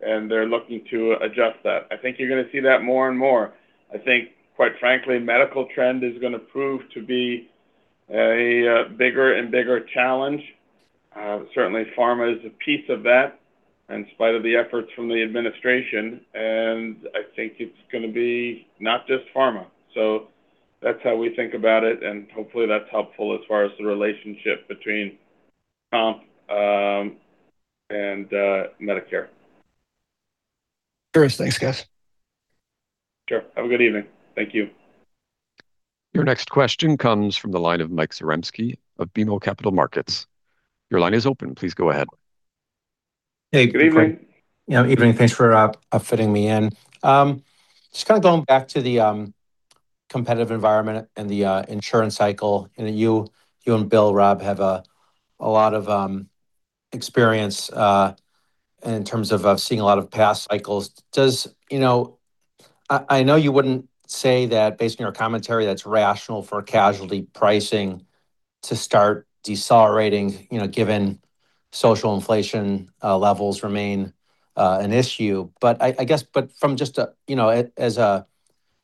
and they're looking to adjust that. I think you're going to see that more and more. I think, quite frankly, medical trend is going to prove to be a bigger and bigger challenge. Certainly, pharma is a piece of that, in spite of the efforts from the administration, and I think it's going to be not just pharma. So that's how we think about it, and hopefully, that's helpful as far as the relationship between comp and Medicare. Sure is. Thanks, guys. Sure. Have a good evening. Thank you. Your next question comes from the line of Mike Zaremski of BMO Capital Markets. Your line is open. Please go ahead. Hey, good evening. Good evening. Yeah, evening. Thanks for fitting me in. Just kind of going back to the competitive environment and the insurance cycle, and you and Bill, Rob, have a lot of experience in terms of seeing a lot of past cycles. You know, I know you wouldn't say that based on your commentary, that's rational for casualty pricing to start decelerating, you know, given social inflation levels remain an issue. But I guess, but from just a, you know, as a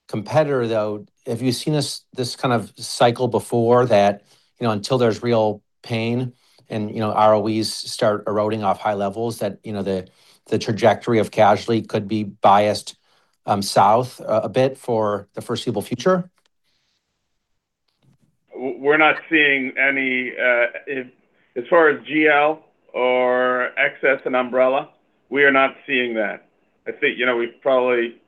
competitor, though, have you seen this kind of cycle before that, you know, until there's real pain and, you know, ROEs start eroding off high levels, that, you know, the trajectory of casualty could be biased south a bit for the foreseeable future? We're not seeing any. As far as GL or excess and umbrella, we are not seeing that. I think, you know, we've probably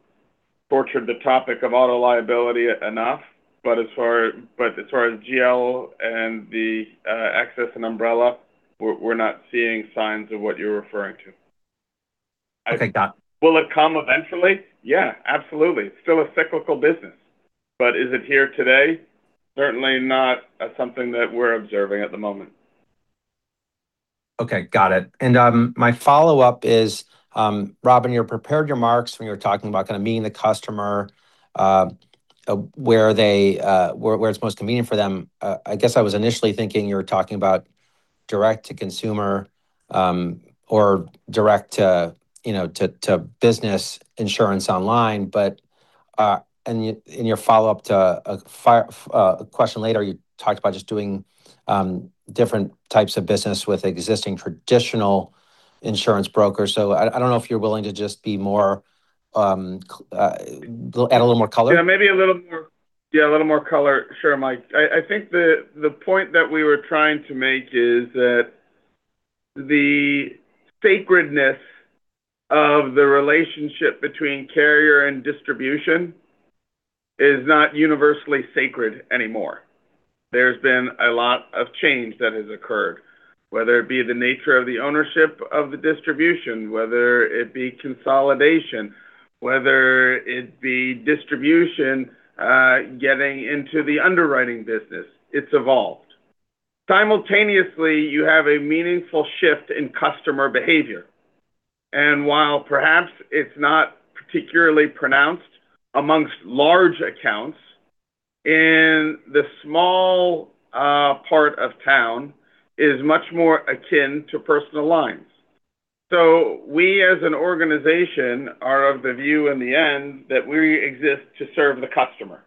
tortured the topic of auto liability enough, but as far, but as far as GL and the excess and umbrella, we're not seeing signs of what you're referring to. Okay, got- Will it come eventually? Yeah, absolutely. It's still a cyclical business. But is it here today? Certainly not as something that we're observing at the moment. Okay, got it. And, my follow-up is, Rob, in your prepared remarks when you were talking about kind of meeting the customer, where they, where, where it's most convenient for them, I guess I was initially thinking you were talking about direct to consumer, or direct to, you know, to, to business insurance online. But, and in your follow-up to a question later, you talked about just doing, different types of business with existing traditional insurance brokers. So I don't know if you're willing to just be more, add a little more color. Yeah, maybe a little more. Yeah, a little more color. Sure, Mike. I think the point that we were trying to make is that the sacredness of the relationship between carrier and distribution is not universally sacred anymore. There's been a lot of change that has occurred, whether it be the nature of the ownership of the distribution, whether it be consolidation, whether it be distribution getting into the underwriting business. It's evolved. Simultaneously, you have a meaningful shift in customer behavior, and while perhaps it's not particularly pronounced amongst large accounts, in the small part of town, it is much more akin to personal lines. We, as an organization, are of the view in the end that we exist to serve the customer,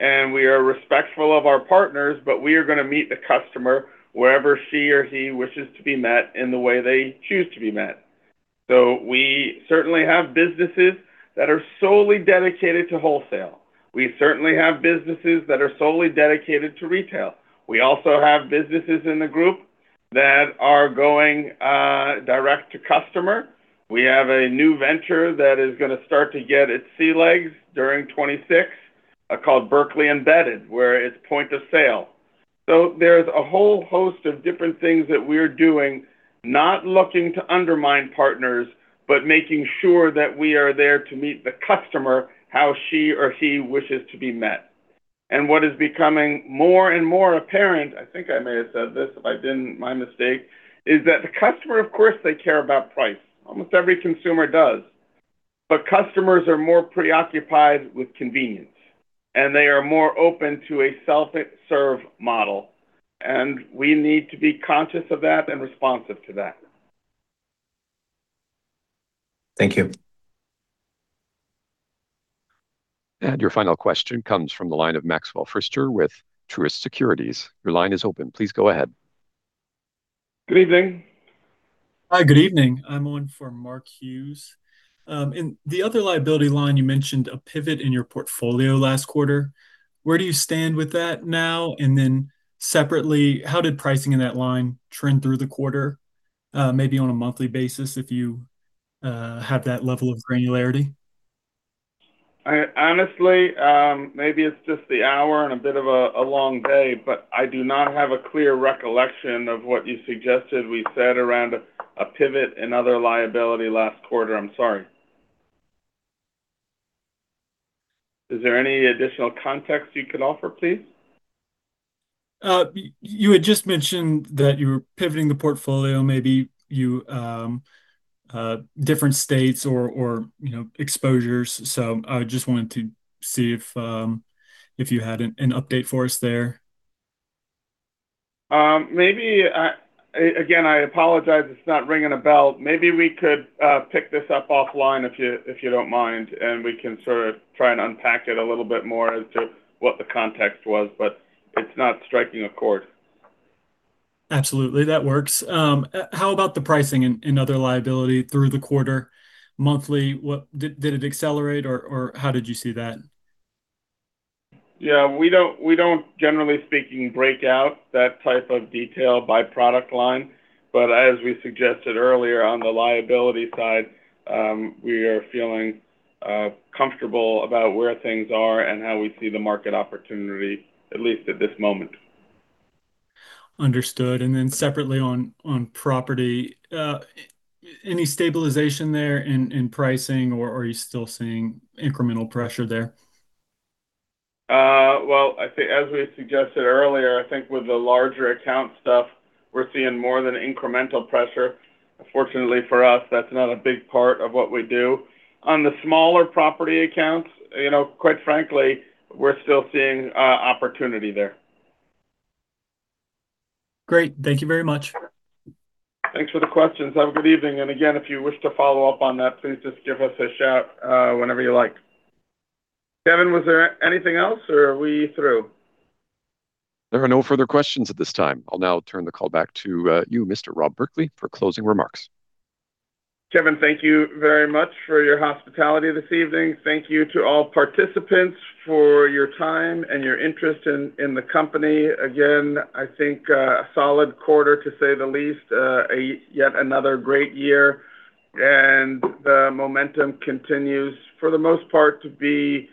and we are respectful of our partners, but we are going to meet the customer wherever she or he wishes to be met in the way they choose to be met. We certainly have businesses that are solely dedicated to wholesale. We certainly have businesses that are solely dedicated to retail. We also have businesses in the group that are going direct to customer. We have a new venture that is going to start to get its sea legs during 2026 called Berkley Embedded, where it's point of sale. There's a whole host of different things that we're doing, not looking to undermine partners, but making sure that we are there to meet the customer how she or he wishes to be met. What is becoming more and more apparent, I think I may have said this, if I didn't, my mistake, is that the customer, of course, they care about price. Almost every consumer does. But customers are more preoccupied with convenience, and they are more open to a self-serve model, and we need to be conscious of that and responsive to that. Thank you. Your final question comes from the line of Maxwell Fritscher with Truist Securities. Your line is open. Please go ahead. Good evening. Hi, good evening. I'm on for Mark Hughes. In the other liability line, you mentioned a pivot in your portfolio last quarter. Where do you stand with that now? And then separately, how did pricing in that line trend through the quarter, maybe on a monthly basis, if you have that level of granularity? I honestly, maybe it's just the hour and a bit of a long day, but I do not have a clear recollection of what you suggested we said around a pivot and other liability last quarter. I'm sorry. Is there any additional context you could offer, please? You had just mentioned that you were pivoting the portfolio, maybe you different states or, or, you know, exposures. So I just wanted to see if you had an update for us there. Again, I apologize, it's not ringing a bell. Maybe we could pick this up offline, if you, if you don't mind, and we can sort of try and unpack it a little bit more as to what the context was, but it's not striking a chord. Absolutely, that works. How about the pricing in other liability through the quarter, monthly? What did it accelerate, or how did you see that? Yeah, we don't, we don't, generally speaking, break out that type of detail by product line, but as we suggested earlier on the liability side, we are feeling comfortable about where things are and how we see the market opportunity, at least at this moment. Understood. And then separately on property, any stabilization there in pricing, or are you still seeing incremental pressure there? Well, I think as we suggested earlier, I think with the larger account stuff, we're seeing more than incremental pressure. Fortunately for us, that's not a big part of what we do. On the smaller property accounts, you know, quite frankly, we're still seeing opportunity there. Great, thank you very much. Thanks for the questions. Have a good evening, and again, if you wish to follow up on that, please just give us a shout, whenever you like. Kevin, was there anything else, or are we through? There are no further questions at this time. I'll now turn the call back to you, Mr. Rob Berkley, for closing remarks. Kevin, thank you very much for your hospitality this evening. Thank you to all participants for your time and your interest in the company. Again, I think, a solid quarter, to say the least, and yet another great year, and the momentum continues, for the most part, to be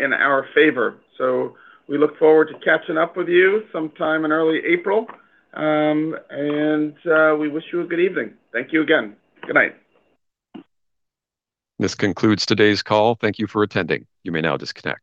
in our favor. So we look forward to catching up with you sometime in early April, and we wish you a good evening. Thank you again. Good night. This concludes today's call. Thank you for attending. You may now disconnect.